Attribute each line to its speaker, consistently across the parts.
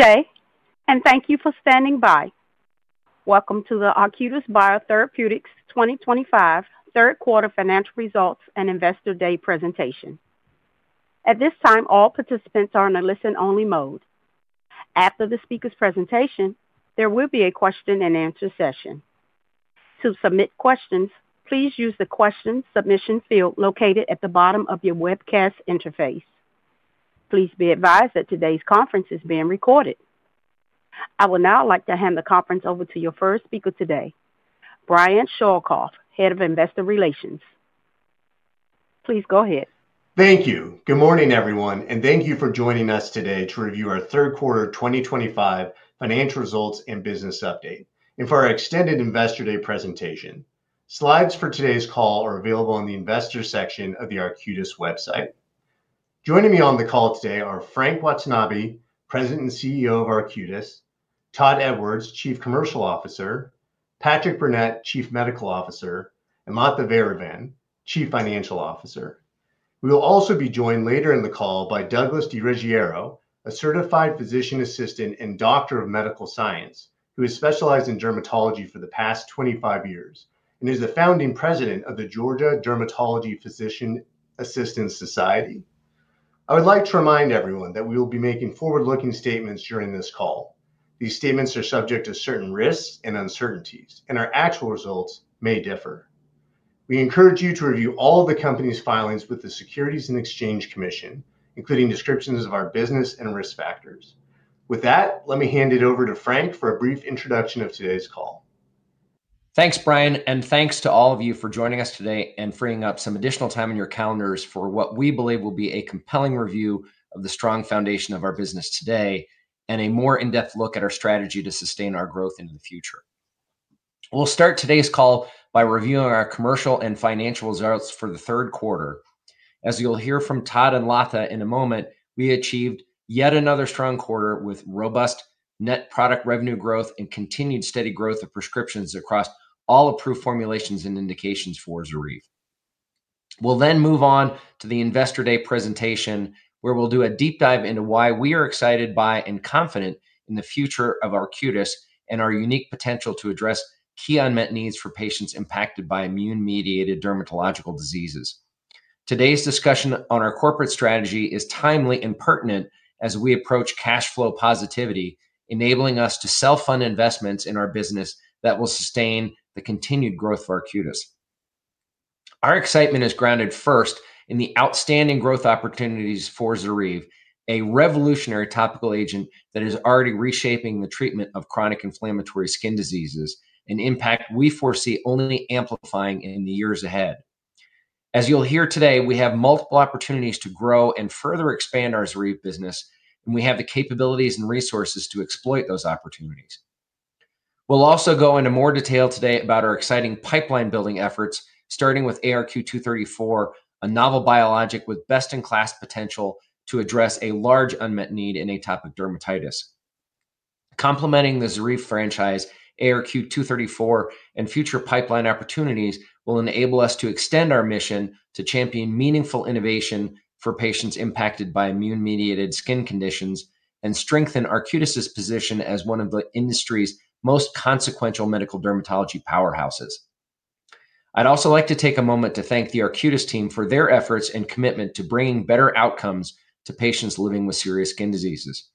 Speaker 1: Today, and thank you for standing by. Welcome to the Arcutis Biotherapeutics 2025 third quarter financial results and Investor Day presentation. At this time, all participants are in a listen-only mode. After the speaker's presentation, there will be a question-and-answer session. To submit questions, please use the question submission field located at the bottom of your webcast interface. Please be advised that today's conference is being recorded. I will now like to hand the conference over to your first speaker today, Brian Schoelkopf, Head of Investor Relations. Please go ahead.
Speaker 2: Thank you. Good morning, everyone, and thank you for joining us today to review our third quarter 2025 financial results and business update. For our extended Investor Day presentation, slides for today's call are available in the Investor section of the Arcutis website. Joining me on the call today are Frank Watanabe, President and CEO of Arcutis, Todd Edwards, Chief Commercial Officer, Patrick Burnett, Chief Medical Officer, and Latha Vairavan, Chief Financial Officer. We will also be joined later in the call by Douglas DiRuggiero, a Certified Physician Assistant and Doctor of Medical Science who has specialized in dermatology for the past 25 years and is the Founding President of the Georgia Dermatology Physician Assistants Society. I would like to remind everyone that we will be making forward-looking statements during this call. These statements are subject to certain risks and uncertainties, and our actual results may differ. We encourage you to review all of the company's filings with the Securities and Exchange Commission, including descriptions of our business and risk factors. With that, let me hand it over to Frank for a brief introduction of today's call.
Speaker 3: Thanks, Brian, and thanks to all of you for joining us today and freeing up some additional time in your calendars for what we believe will be a compelling review of the strong foundation of our business today and a more in-depth look at our strategy to sustain our growth into the future. We'll start today's call by reviewing our commercial and financial results for the third quarter. As you'll hear from Todd and Latha in a moment, we achieved yet another strong quarter with robust net product revenue growth and continued steady growth of prescriptions across all approved formulations and indications for ZORYVE. We'll then move on to the Investor Day presentation, where we'll do a deep dive into why we are excited by and confident in the future of Arcutis and our unique potential to address key unmet needs for patients impacted by immune-mediated dermatological diseases. Today's discussion on our Corporate strategy is timely and pertinent as we approach cash flow breakeven, enabling us to self-fund investments in our business that will sustain the continued growth for Arcutis. Our excitement is grounded first in the outstanding growth opportunities for ZORYVE, a revolutionary topical agent that is already reshaping the treatment of chronic inflammatory skin diseases, an impact we foresee only amplifying in the years ahead. As you'll hear today, we have multiple opportunities to grow and further expand our ZORYVE business, and we have the capabilities and resources to exploit those opportunities. We'll also go into more detail today about our exciting pipeline-building efforts, starting with ARQ-234, a novel biologic with best-in-class potential to address a large unmet need in atopic dermatitis. Complementing the ZORYVE franchise, ARQ-234 and future pipeline opportunities will enable us to extend our mission to champion meaningful innovation for patients impacted by immune-mediated skin conditions and strengthen Arcutis's position as one of the industry's most consequential medical dermatology powerhouses. I'd also like to take a moment to thank the Arcutis team for their efforts and commitment to bringing better outcomes to patients living with serious skin diseases.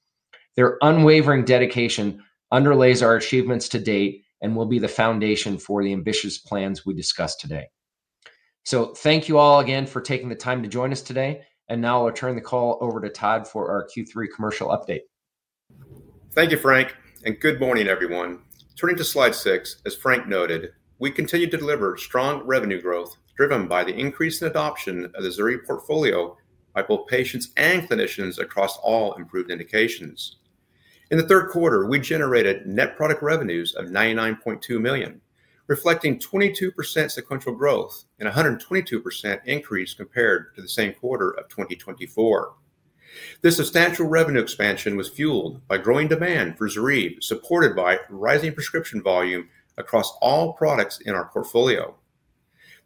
Speaker 3: Their unwavering dedication underlies our achievements to date and will be the foundation for the ambitious plans we discuss today. Thank you all again for taking the time to join us today, and now I'll return the call over to Todd for our Q3 commercial update.
Speaker 4: Thank you, Frank, and good morning, everyone. Turning to slide six, as Frank noted, we continue to deliver strong revenue growth driven by the increase in adoption of the ZORYVE portfolio by both patients and clinicians across all approved indications. In the third quarter, we generated net product revenues of $99.2 million, reflecting 22% sequential growth and a 122% increase compared to the same quarter of 2024. This substantial revenue expansion was fueled by growing demand for ZORYVE, supported by rising prescription volume across all products in our portfolio.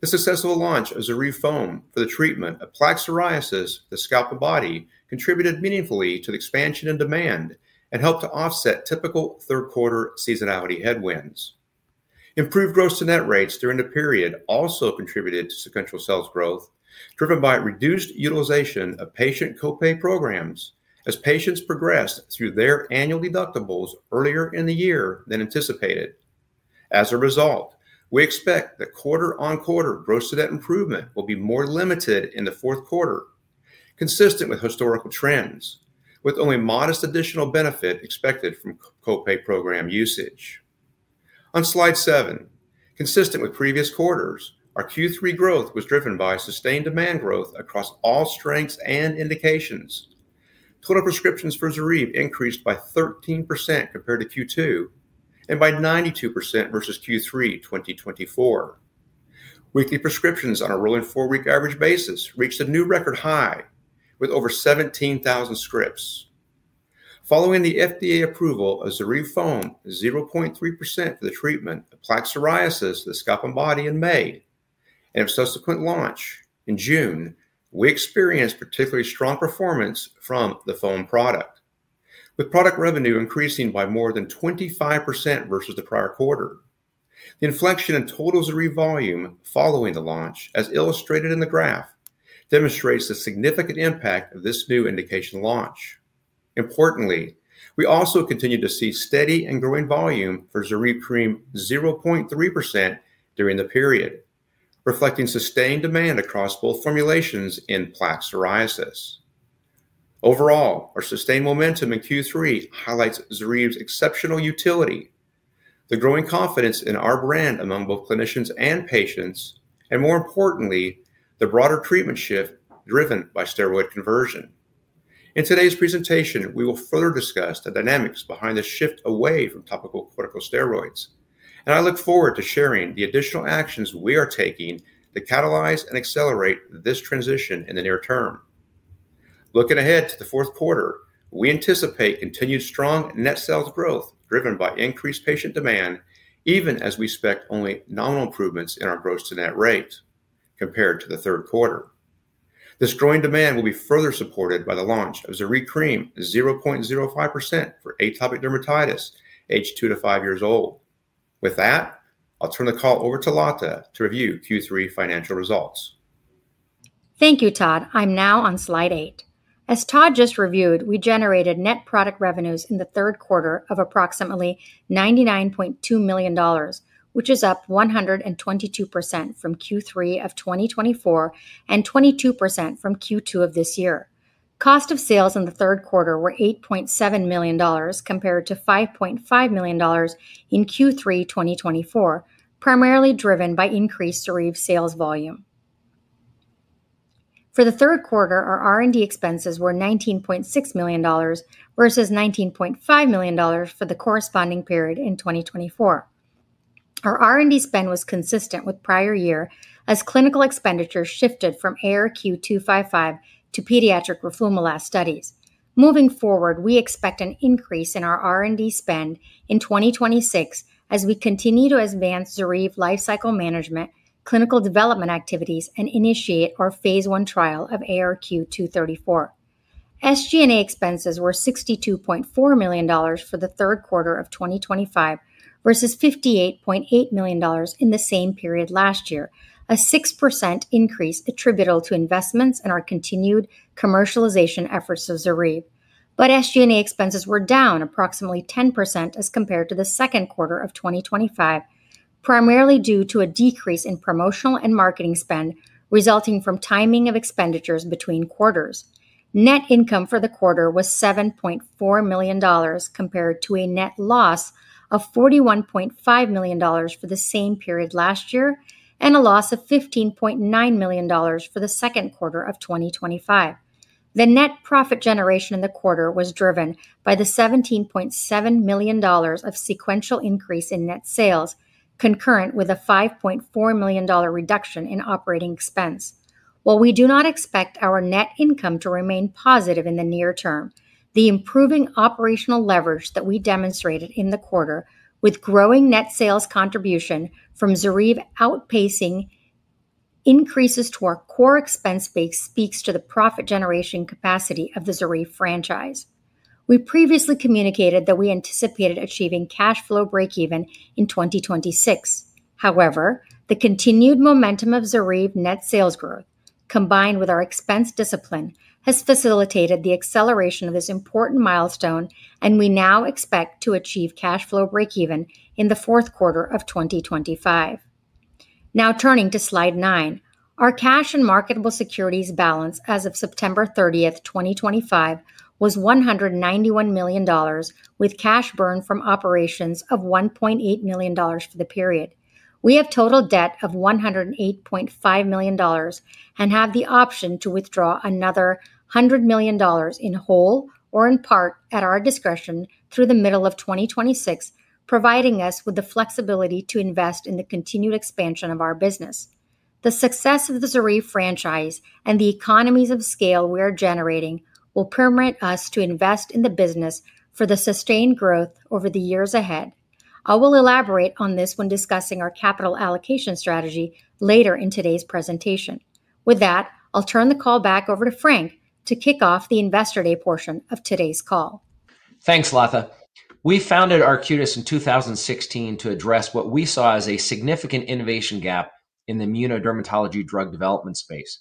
Speaker 4: The successful launch of ZORYVE foam the treatment of plaque psoriasis of the scalp and body contributed meaningfully to the expansion in demand and helped to offset typical third-quarter seasonality headwinds. Improved gross-to-net rates during the period also contributed to sequential sales growth, driven by reduced utilization of patient copay programs as patients progressed through their annual deductibles earlier in the year than anticipated. As a result, we expect that quarter-on-quarter gross-to-net improvement will be more limited in the fourth quarter, consistent with historical trends, with only modest additional benefit expected from copay program usage. On slide seven, consistent with previous quarters, our Q3 growth was driven by sustained demand growth across all strengths and indications. Total prescriptions for ZORYVE increased by 13% compared to Q2 and by 92% versus Q3 2024. Weekly prescriptions on a rolling four-week average basis reached a new record high with over 17,000 scripts. Following the FDA approval of ZORYVE foam 0.3% for the treatment of plaque psoriasis of the scalp and body in May, and a subsequent launch in June, we experienced particularly strong performance from the foam product, with product revenue increasing by more than 25% versus the prior quarter. The inflection in total ZORYVE volume following the launch, as illustrated in the graph, demonstrates the significant impact of this new indication launch. Importantly, we also continue to see steady and growing volume for ZORYVE cream 0.3% during the period, reflecting sustained demand across both formulations in plaque psoriasis. Overall, our sustained momentum in Q3 highlights ZORYVE's exceptional utility, the growing confidence in our brand among both clinicians and patients, and more importantly, the broader treatment shift driven by steroid conversion. In today's presentation, we will further discuss the dynamics behind the shift away from topical corticosteroids, and I look forward to sharing the additional actions we are taking to catalyze and accelerate this transition in the near term. Looking ahead to the fourth quarter, we anticipate continued strong net sales growth driven by increased patient demand, even as we expect only nominal improvements in our gross-to-net rate compared to the third quarter. This growing demand will be further supported by the launch of ZORYVE cream 0.15% for atopic dermatitis aged two to five years old. With that, I'll turn the call over to Latha to review Q3 financial results.
Speaker 5: Thank you, Todd. I'm now on slide eight. As Todd just reviewed, we generated net product revenues in the third quarter of approximately $99.2 million, which is up 122% from Q3 of 2024 and 22% from Q2 of this year. Cost of sales in the third quarter were $8.7 million compared to $5.5 million in Q3 2024, primarily driven by increased ZORYVE sales volume. For the third quarter, our R&D expenses were $19.6 million versus $19.5 million for the corresponding period in 2024. Our R&D spend was consistent with prior year as clinical expenditures shifted from ARQ-255 to pediatric roflumilast studies. Moving forward, we expect an increase in our R&D spend in 2026 as we continue to advance ZORYVE lifecycle management, clinical development activities, and initiate our phase I trial of ARQ-234. SG&A expenses were $62.4 million for the third quarter of 2025 versus $58.8 million in the same period last year, a 6% increase attributable to investments and our continued commercialization efforts of ZORYVE. SG&A expenses were down approximately 10% as compared to the second quarter of 2025, primarily due to a decrease in promotional and marketing spend resulting from timing of expenditures between quarters. Net income for the quarter was $7.4 million compared to a net loss of $41.5 million for the same period last year and a loss of $15.9 million for the second quarter of 2025. The net profit generation in the quarter was driven by the $17.7 million of sequential increase in net sales, concurrent with a $5.4 million reduction in operating expense. While we do not expect our net income to remain positive in the near term, the improving operational leverage that we demonstrated in the quarter, with growing net sales contribution from ZORYVE outpacing increases to our core expense base, speaks to the profit generation capacity of the ZORYVE franchise. We previously communicated that we anticipated achieving cash flow breakeven in 2026. However, the continued momentum of ZORYVE net sales growth, combined with our expense discipline, has facilitated the acceleration of this important milestone, and we now expect to achieve cash flow breakeven in the fourth quarter of 2025. Now turning to slide nine, our cash and marketable securities balance as of September 30th, 2025, was $191 million, with cash burn from operations of $1.8 million for the period. We have total debt of $108.5 million and have the option to withdraw another $100 million in whole or in part at our discretion through the middle of 2026, providing us with the flexibility to invest in the continued expansion of our business. The success of the ZORYVE franchise and the economies of scale we are generating will permit us to invest in the business for the sustained growth over the years ahead. I will elaborate on this when discussing our capital allocation strategy later in today's presentation. With that, I'll turn the call back over to Frank to kick off the Investor Day portion of today's call.
Speaker 3: Thanks, Latha. We founded Arcutis in 2016 to address what we saw as a significant innovation gap in the immunodermatology drug development space.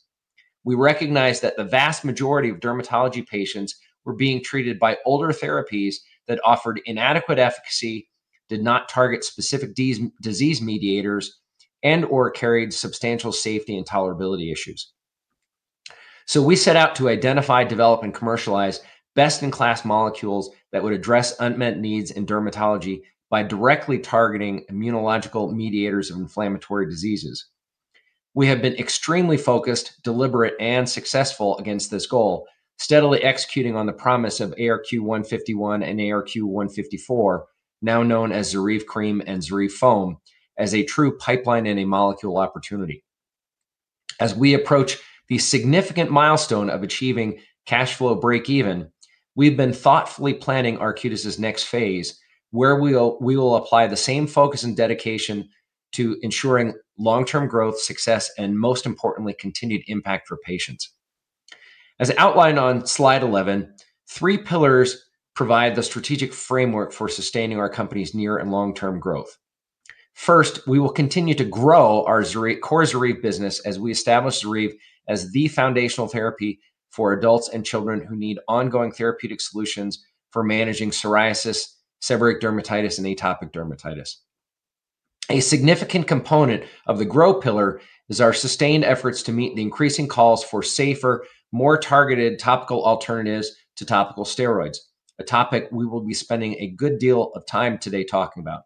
Speaker 3: We recognized that the vast majority of dermatology patients were being treated by older therapies that offered inadequate efficacy, did not target specific disease mediators, and/or carried substantial safety and tolerability issues. We set out to identify, develop, and commercialize best-in-class molecules that would address unmet needs in dermatology by directly targeting immunological mediators of inflammatory diseases. We have been extremely focused, deliberate, and successful against this goal, steadily executing on the promise of ARQ-151 and ARQ-154, now known as ZORYVE cream and ZORYVE foam, as a true pipeline and a molecule opportunity. As we approach the significant milestone of achieving cash flow breakeven, we've been thoughtfully planning Arcutis's next phase, where we will apply the same focus and dedication to ensuring long-term growth, success, and most importantly, continued impact for patients. As outlined on slide 11, three pillars provide the strategic framework for sustaining our company's near and long-term growth. First, we will continue to grow our core ZORYVE business as we establish ZORYVE as the foundational therapy for adults and children who need ongoing therapeutic solutions for managing plaque psoriasis, seborrheic dermatitis, and atopic dermatitis. A significant component of the growth pillar is our sustained efforts to meet the increasing calls for safer, more targeted topical alternatives to topical corticosteroids, a topic we will be spending a good deal of time today talking about.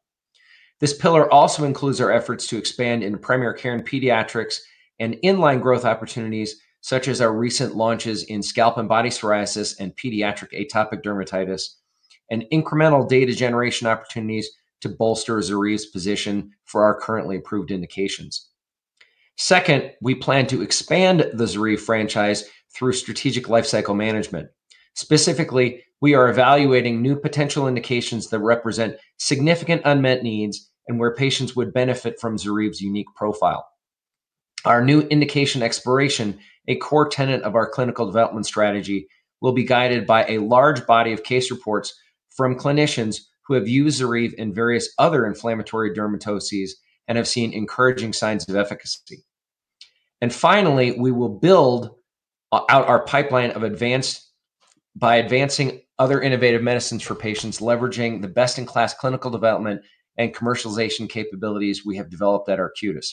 Speaker 3: This pillar also includes our efforts to expand into primary care and pediatric and inline growth opportunities, such as our recent launches in scalp and body plaque psoriasis and pediatric atopic dermatitis, and incremental data generation opportunities to bolster ZORYVE's position for our currently approved indications. Second, we plan to expand the ZORYVE franchise through strategic lifecycle management. Specifically, we are evaluating new potential indications that represent significant unmet needs and where patients would benefit from ZORYVE's unique profile. Our new indication exploration, a core tenet of our clinical development strategy, will be guided by a large body of case reports from clinicians who have used ZORYVE in various other inflammatory dermatoses and have seen encouraging signs of efficacy. Finally, we will build out our pipeline by advancing other innovative medicines for patients, leveraging the best-in-class clinical development and commercialization capabilities we have developed at Arcutis.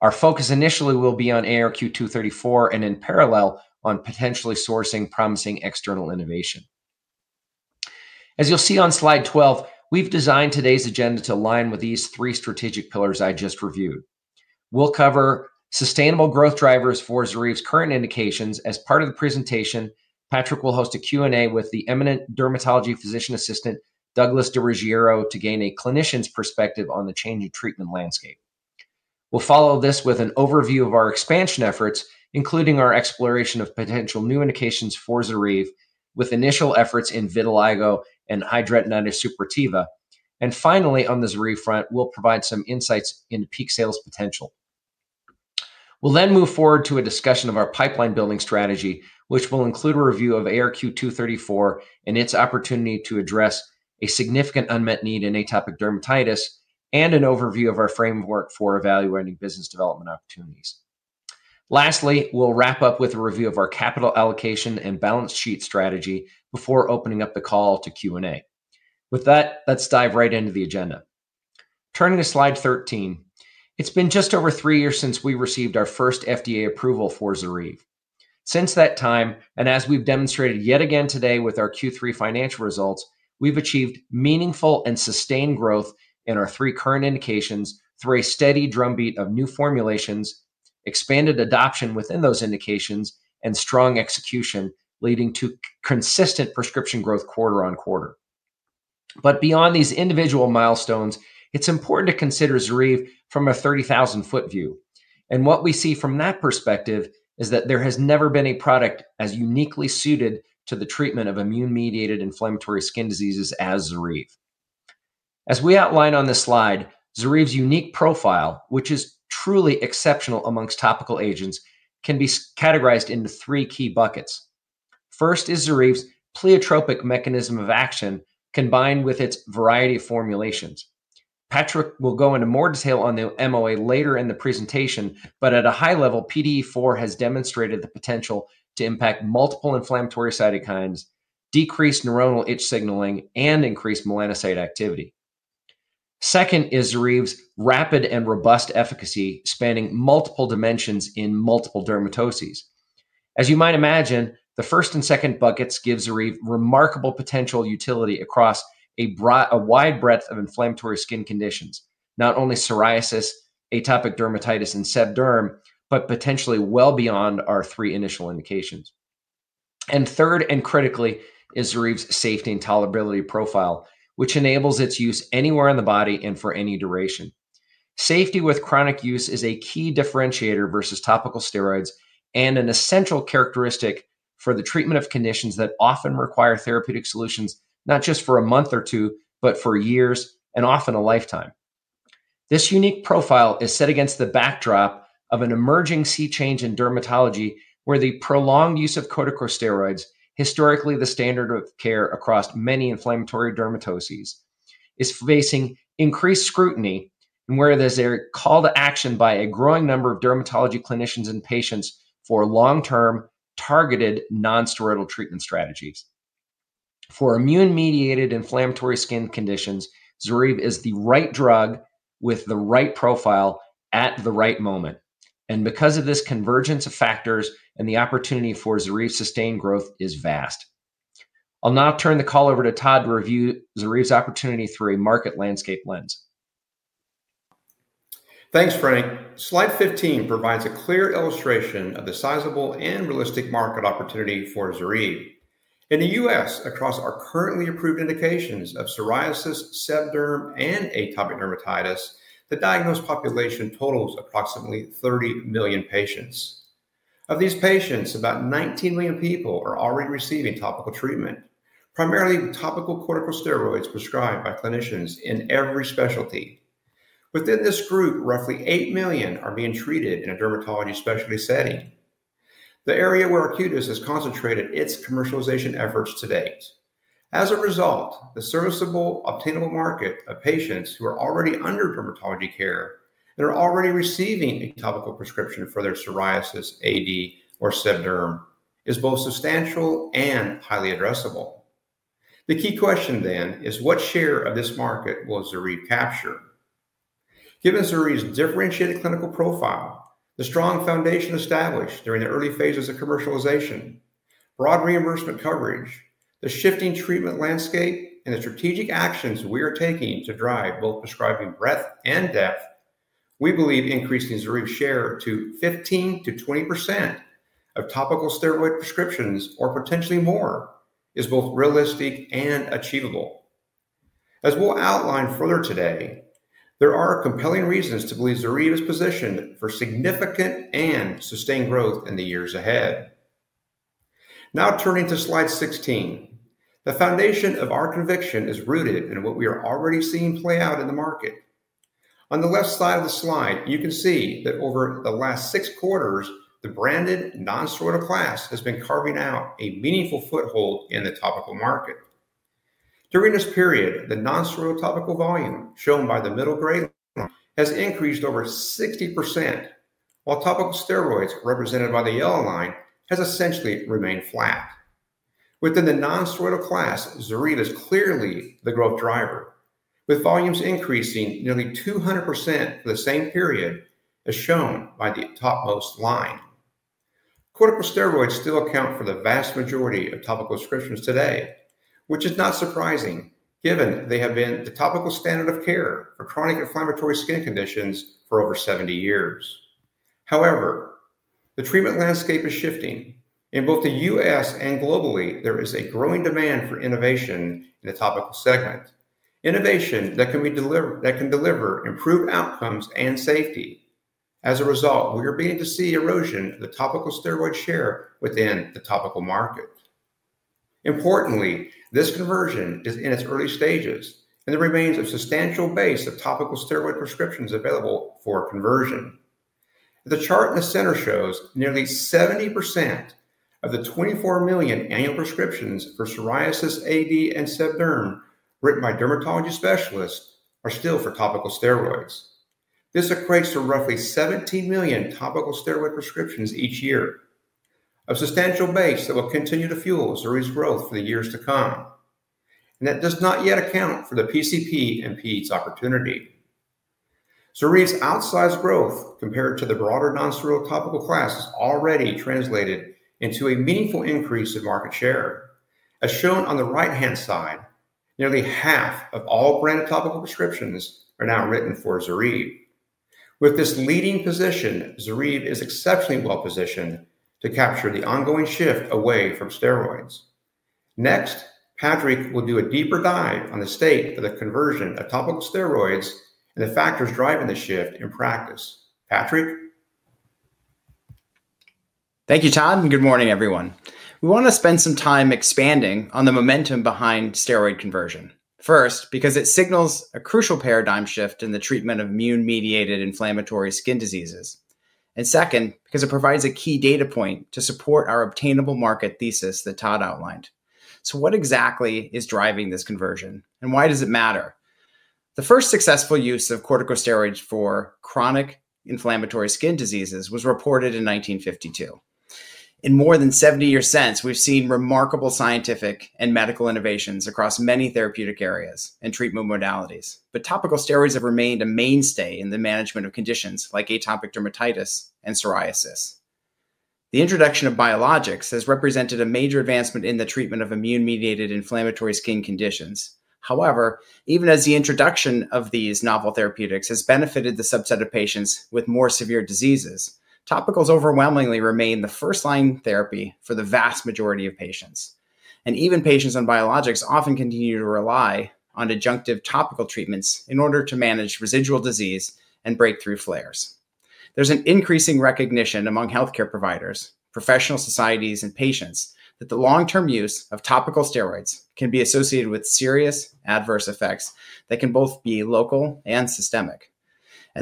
Speaker 3: Our focus initially will be on ARQ-234 and in parallel on potentially sourcing promising external innovation. As you'll see on slide 12, we've designed today's agenda to align with these three strategic pillars I just reviewed. We'll cover sustainable growth drivers for ZORYVE's current indications. As part of the presentation, Patrick will host a Q&A with the eminent dermatology physician assistant Douglas DiRuggiero to gain a clinician's perspective on the changing treatment landscape. We'll follow this with an overview of our expansion efforts, including our exploration of potential new indications for ZORYVE, with initial efforts in vitiligo and hidradenitis suppurativa. On the ZORYVE front, we'll provide some insights into peak sales potential. We'll then move forward to a discussion of our pipeline-building strategy, which will include a review of ARQ-234 and its opportunity to address a significant unmet need in atopic dermatitis and an overview of our framework for evaluating business development opportunities. Lastly, we'll wrap up with a review of our capital allocation and balance sheet strategy before opening up the call to Q&A. With that, let's dive right into the agenda. Turning to slide 13, it's been just over three years since we received our first FDA approval for ZORYVE. Since that time, and as we've demonstrated yet again today with our Q3 financial results, we've achieved meaningful and sustained growth in our three current indications through a steady drumbeat of new formulations, expanded adoption within those indications, and strong execution, leading to consistent prescription growth quarter-on-quarter. Beyond these individual milestones, it's important to consider ZORYVE from a 30,000-foot view. What we see from that perspective is that there has never been a product as uniquely suited to the treatment of immune-mediated inflammatory skin diseases as ZORYVE. As we outlined on this slide, ZORYVE's unique profile, which is truly exceptional amongst topical agents, can be categorized into three key buckets. First is ZORYVE's pleiotropic mechanism of action, combined with its variety of formulations. Patrick will go into more detail on the MOA later in the presentation, but at a high level, PDE4 has demonstrated the potential to impact multiple inflammatory cytokines, decrease neuronal itch signaling, and increase melanocyte activity. Second is ZORYVE's rapid and robust efficacy, spanning multiple dimensions in multiple dermatoses. As you might imagine, the first and second buckets give ZORYVE remarkable potential utility across a wide breadth of inflammatory skin conditions, not only psoriasis, atopic dermatitis, and seb derm, but potentially well beyond our three initial indications. Third and critically is ZORYVE's safety and tolerability profile, which enables its use anywhere in the body and for any duration. Safety with chronic use is a key differentiator versus topical steroids and an essential characteristic for the treatment of conditions that often require therapeutic solutions, not just for a month or two, but for years and often a lifetime. This unique profile is set against the backdrop of an emerging sea change in dermatology, where the prolonged use of corticosteroids, historically the standard of care across many inflammatory dermatoses, is facing increased scrutiny and where there is a call to action by a growing number of dermatology clinicians and patients for long-term targeted non-steroidal treatment strategies. For immune-mediated inflammatory skin conditions, ZORYVE is the right drug with the right profile at the right moment. Because of this convergence of factors, the opportunity for ZORYVE's sustained growth is vast. I'll now turn the call over to Todd to review ZORYVE's opportunity through a market landscape lens.
Speaker 4: Thanks, Frank. Slide 15 provides a clear illustration of the sizable and realistic market opportunity for ZORYVE. In the U.S., across our currently approved indications of psoriasis, seb derm, and atopic dermatitis, the diagnosed population totals approximately 30 million patients. Of these patients, about 19 million people are already receiving topical treatment, primarily topical corticosteroids prescribed by clinicians in every specialty. Within this group, roughly 8 million are being treated in a dermatology specialty setting, the area where Arcutis has concentrated its commercialization efforts to date. As a result, the serviceable obtainable market of patients who are already under dermatology care and are already receiving a topical prescription for their plaque psoriasis, atopic dermatitis, or seb derm is both substantial and highly addressable. The key question then is what share of this market will ZORYVE capture? Given ZORYVE's differentiated clinical profile, the strong foundation established during the early phases of commercialization, broad reimbursement coverage, the shifting treatment landscape, and the strategic actions we are taking to drive both prescribing breadth and depth, we believe increasing ZORYVE's share to 15%-20% of topical steroid prescriptions or potentially more is both realistic and achievable. As we'll outline further today, there are compelling reasons to believe ZORYVE is positioned for significant and sustained growth in the years ahead. Now turning to slide 16, the foundation of our conviction is rooted in what we are already seeing play out in the market. On the left side of the slide, you can see that over the last six quarters, the branded non-steroidal class has been carving out a meaningful foothold in the topical market. During this period, the non-steroidal topical volume shown by the middle gray line has increased over 60%, while topical corticosteroids represented by the yellow line have essentially remained flat. Within the non-steroidal class, ZORYVE is clearly the growth driver, with volumes increasing nearly 200% for the same period as shown by the topmost line. Topical corticosteroids still account for the vast majority of topical prescriptions today, which is not surprising given they have been the topical standard of care for chronic inflammatory skin conditions for over 70 years. However, the treatment landscape is shifting. In both the U.S. and globally, there is a growing demand for innovation in the topical segment, innovation that can deliver improved outcomes and safety. As a result, we are beginning to see erosion of the topical steroid share within the topical market. Importantly, this conversion is in its early stages, and there remains a substantial base of topical steroid prescriptions available for conversion. The chart in the center shows nearly 70% of the 24 million annual prescriptions for psoriasis, atopic dermatitis, and seb derm written by dermatology specialists are still for topical steroids. This equates to roughly 17 million topical steroid prescriptions each year, a substantial base that will continue to fuel ZORYVE's growth for the years to come. That does not yet account for the PCP and pediatric opportunity. ZORYVE's outsized growth compared to the broader non-steroidal topical class has already translated into a meaningful increase in market share. As shown on the right-hand side, nearly half of all branded topical prescriptions are now written for ZORYVE. With this leading position, ZORYVE is exceptionally well positioned to capture the ongoing shift away from steroids. Next, Patrick will do a deeper dive on the state of the conversion of topical steroids and the factors driving the shift in practice. Patrick?
Speaker 6: Thank you, Todd, and good morning, everyone. We want to spend some time expanding on the momentum behind steroid conversion. First, because it signals a crucial paradigm shift in the treatment of immune-mediated inflammatory skin diseases. Second, because it provides a key data point to support our obtainable market thesis that Todd outlined. What exactly is driving this conversion? Why does it matter? The first successful use of corticosteroids for chronic inflammatory skin diseases was reported in 1952. In more than 70 years since, we've seen remarkable scientific and medical innovations across many therapeutic areas and treatment modalities. Topical steroids have remained a mainstay in the management of conditions like atopic dermatitis and psoriasis. The introduction of biologics has represented a major advancement in the treatment of immune-mediated inflammatory skin conditions. However, even as the introduction of these novel therapeutics has benefited the subset of patients with more severe diseases, topicals overwhelmingly remain the first-line therapy for the vast majority of patients. Even patients on biologics often continue to rely on adjunctive topical treatments in order to manage residual disease and breakthrough flares. There's an increasing recognition among health care providers, professional societies, and patients that the long-term use of topical steroids can be associated with serious adverse effects that can both be local and systemic.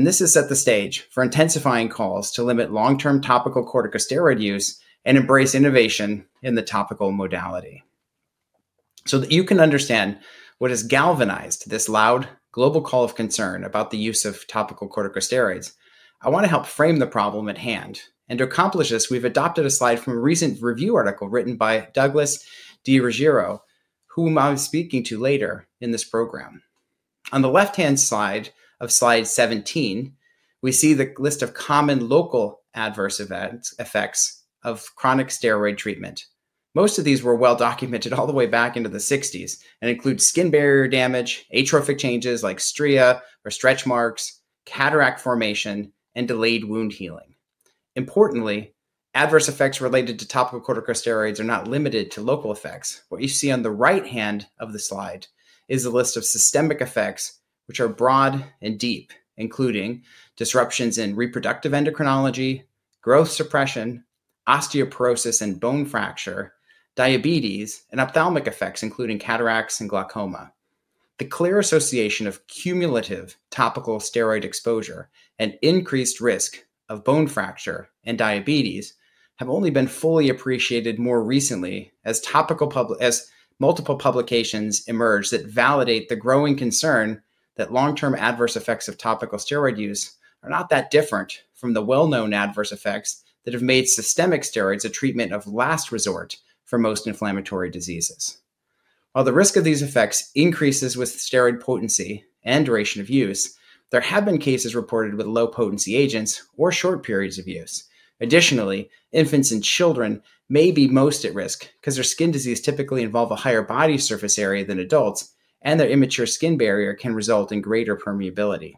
Speaker 6: This has set the stage for intensifying calls to limit long-term topical corticosteroid use and embrace innovation in the topical modality. You can understand what has galvanized this loud global call of concern about the use of topical corticosteroids, I want to help frame the problem at hand. To accomplish this, we've adopted a slide from a recent review article written by Douglas DiRuggiero, whom I'll be speaking to later in this program. On the left-hand side of slide 17, we see the list of common local adverse effects of chronic steroid treatment. Most of these were well-documented all the way back into the '60s and include skin barrier damage, atrophic changes like striae or stretch marks, cataract formation, and delayed wound healing. Importantly, adverse effects related to topical corticosteroids are not limited to local effects. What you see on the right hand of the slide is a list of systemic effects, which are broad and deep, including disruptions in reproductive endocrinology, growth suppression, osteoporosis and bone fracture, diabetes, and ophthalmic effects, including cataracts and glaucoma. The clear association of cumulative topical steroid exposure and increased risk of bone fracture and diabetes have only been fully appreciated more recently as multiple publications emerge that validate the growing concern that long-term adverse effects of topical steroid use are not that different from the well-known adverse effects that have made systemic steroids a treatment of last resort for most inflammatory diseases. While the risk of these effects increases with steroid potency and duration of use, there have been cases reported with low potency agents or short periods of use. Additionally, infants and children may be most at risk because their skin disease typically involves a higher body surface area than adults, and their immature skin barrier can result in greater permeability.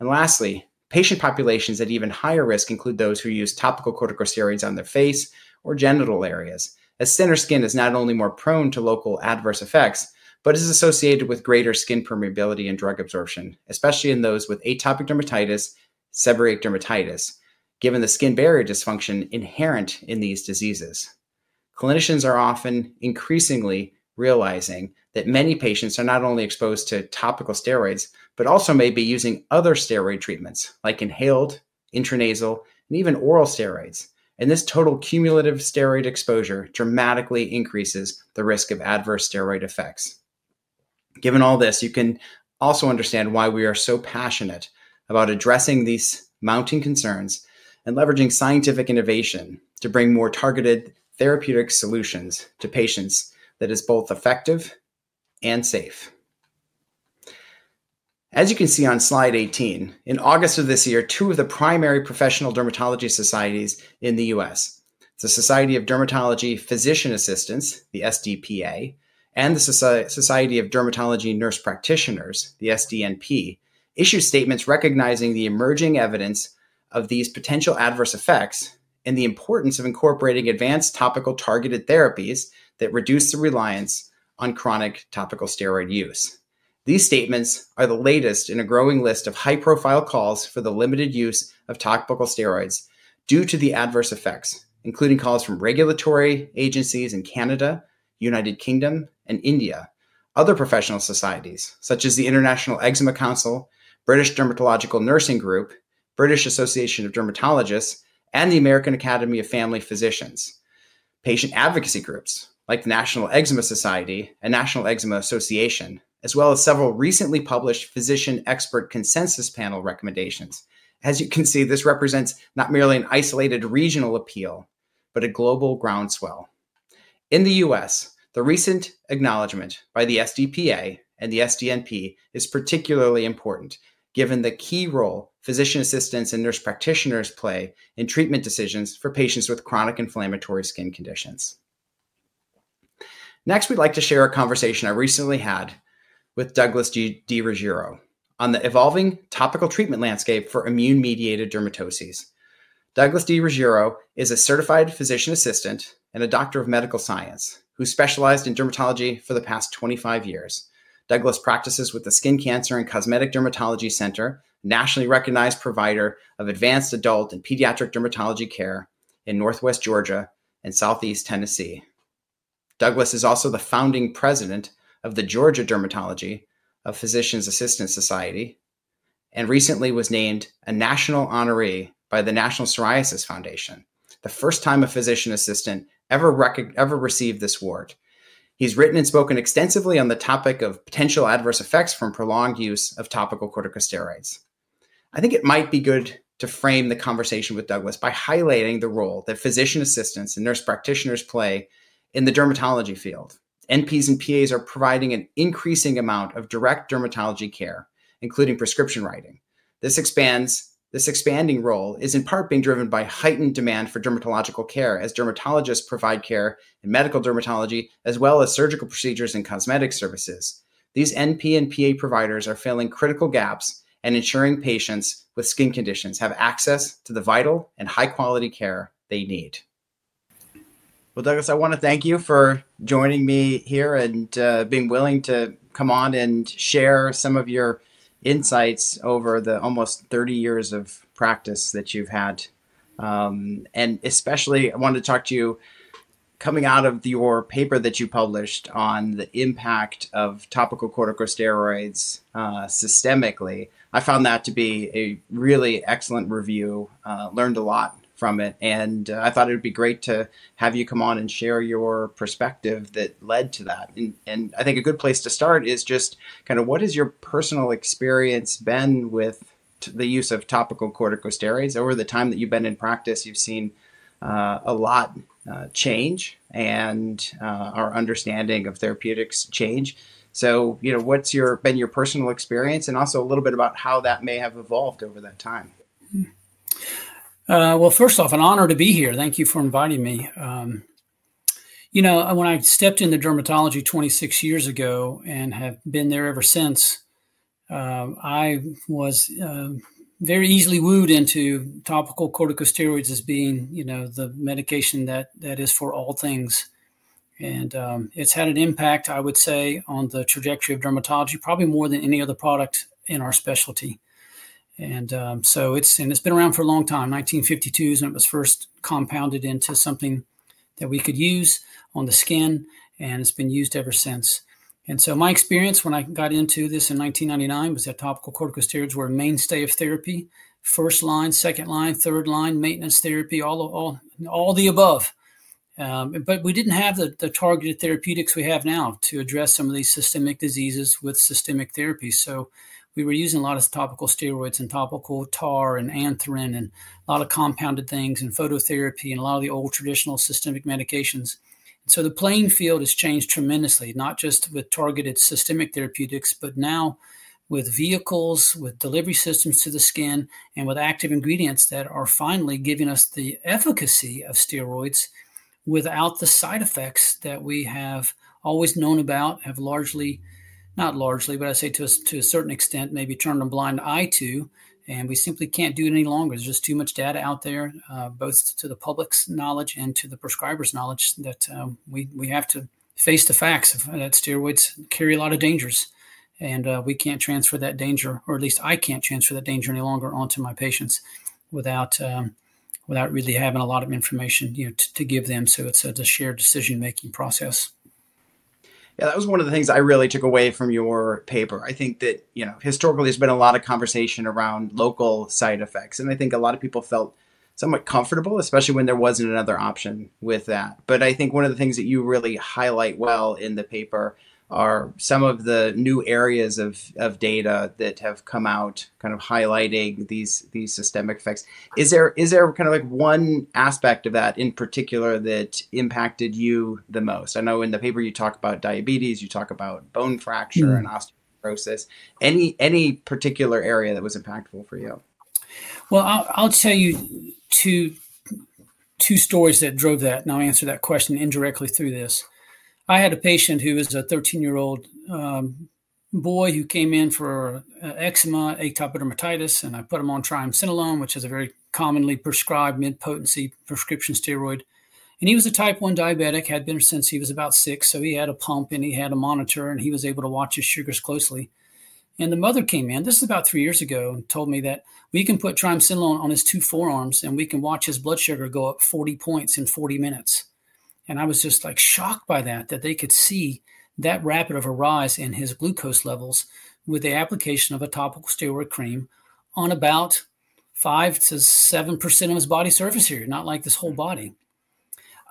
Speaker 6: Lastly, patient populations at even higher risk include those who use topical corticosteroids on their face or genital areas, as thinner skin is not only more prone to local adverse effects, but is associated with greater skin permeability and drug absorption, especially in those with atopic dermatitis and seborrheic dermatitis, given the skin barrier dysfunction inherent in these diseases. Clinicians are often increasingly realizing that many patients are not only exposed to topical steroids, but also may be using other steroid treatments like inhaled, intranasal, and even oral steroids. This total cumulative steroid exposure dramatically increases the risk of adverse steroid effects. Given all this, you can also understand why we are so passionate about addressing these mounting concerns and leveraging scientific innovation to bring more targeted therapeutic solutions to patients that are both effective and safe. As you can see on slide 18, in August of this year, two of the primary professional dermatology societies in the U.S., the Society of Dermatology Physician Assistants, the SDPA, and the Society of Dermatology Nurse Practitioners, the SDNP, issued statements recognizing the emerging evidence of these potential adverse effects and the importance of incorporating advanced topical targeted therapies that reduce the reliance on chronic topical steroid use. These statements are the latest in a growing list of high-profile calls for the limited use of topical steroids due to the adverse effects, including calls from regulatory agencies in Canada, the United Kingdom, and India, other professional societies such as the International Eczema Council, British Dermatological Nursing Group, the British Association of Dermatologists, and the American Academy of Family Physicians, patient advocacy groups like the National Eczema Society and National Eczema Association, as well as several recently published physician expert consensus panel recommendations. As you can see, this represents not merely an isolated regional appeal, but a global groundswell. In the U.S., the recent acknowledgment by the SDPA and the SDNP is particularly important given the key role physician assistants and nurse practitioners play in treatment decisions for patients with chronic inflammatory skin conditions. Next, we'd like to share a conversation I recently had with Douglas DiRuggiero on the evolving topical treatment landscape for immune-mediated dermatoses. Douglas DiRuggiero is a Certified Physician Assistant and a Doctor of Medical Science who specialized in dermatology for the past 25 years. Douglas practices with the Skin Cancer and Cosmetic Dermatology Center, a nationally recognized provider of advanced adult and pediatric dermatology care in Northwest Georgia and Southeast Tennessee. Douglas is also the founding president of the Georgia Dermatology Physician Assistant Society and recently was named a national honoree by the National Psoriasis Foundation, the first time a physician assistant ever received this award. He's written and spoken extensively on the topic of potential adverse effects from prolonged use of topical corticosteroids. I think it might be good to frame the conversation with Douglas by highlighting the role that physician assistants and nurse practitioners play in the dermatology field. NPs and PAs are providing an increasing amount of direct dermatology care, including prescription writing. This expanding role is in part being driven by heightened demand for dermatological care as dermatologists provide care in medical dermatology as well as surgical procedures and cosmetic services. These NP and PA providers are filling critical gaps and ensuring patients with skin conditions have access to the vital and high-quality care they need. Douglas, I want to thank you for joining me here and being willing to come on and share some of your insights over the almost 30 years of practice that you've had. Especially, I wanted to talk to you coming out of your paper that you published on the impact of topical corticosteroids systemically. I found that to be a really excellent review. I learned a lot from it, and I thought it would be great to have you come on and share your perspective that led to that. I think a good place to start is just kind of what has your personal experience been with the use of topical corticosteroids? Over the time that you've been in practice, you've seen a lot change and our understanding of therapeutics change. What's been your personal experience and also a little bit about how that may have evolved over that time?
Speaker 7: First off, an honor to be here. Thank you for inviting me. When I stepped into dermatology 26 years ago and have been there ever since, I was very easily wooed into topical corticosteroids as being the medication that is for all things. It's had an impact, I would say, on the trajectory of dermatology, probably more than any other product in our specialty. It's been around for a long time. 1952 is when it was first compounded into something that we could use on the skin, and it's been used ever since. My experience when I got into this in 1999 was that topical corticosteroids were a mainstay of therapy, first line, second line, third line, maintenance therapy, all the above. We didn't have the targeted therapeutics we have now to address some of these systemic diseases with systemic therapies. We were using a lot of topical steroids and topical TAR and anthraine and a lot of compounded things and phototherapy and a lot of the old traditional systemic medications. The playing field has changed tremendously, not just with targeted systemic therapeutics, but now with vehicles, with delivery systems to the skin, and with active ingredients that are finally giving us the efficacy of steroids without the side effects that we have always known about, have largely, not largely, but I say to a certain extent, maybe turned a blind eye to, and we simply can't do it any longer. There's just too much data out there, both to the public's knowledge and to the prescriber's knowledge, that we have to face the facts that steroids carry a lot of dangers. We can't transfer that danger, or at least I can't transfer that danger any longer onto my patients without really having a lot of information to give them. It's a shared decision-making process.
Speaker 6: Yeah, that was one of the things I really took away from your paper. I think that historically, there's been a lot of conversation around local side effects. I think a lot of people felt somewhat comfortable, especially when there wasn't another option with that. I think one of the things that you really highlight well in the paper are some of the new areas of data that have come out, kind of highlighting these systemic effects. Is there one aspect of that in particular that impacted you the most? I know in the paper you talk about diabetes, you talk about bone fracture and osteoporosis. Any particular area that was impactful for you?
Speaker 7: I'll tell you two stories that drove that, and I'll answer that question indirectly through this. I had a patient who was a 13-year-old boy who came in for eczema, atopic dermatitis, and I put him on triamcinolone, which is a very commonly prescribed mid-potency prescription steroid. He was a type 1 diabetic, had been since he was about six. He had a pump and he had a monitor, and he was able to watch his sugars closely. The mother came in, this is about three years ago, and told me that we can put triamcinolone on his two forearms and we can watch his blood sugar go up 40 points in 40 minutes. I was just shocked by that, that they could see that rapid of a rise in his glucose levels with the application of a topical steroid cream on about 5%-7% of his body surface area, not like his whole body.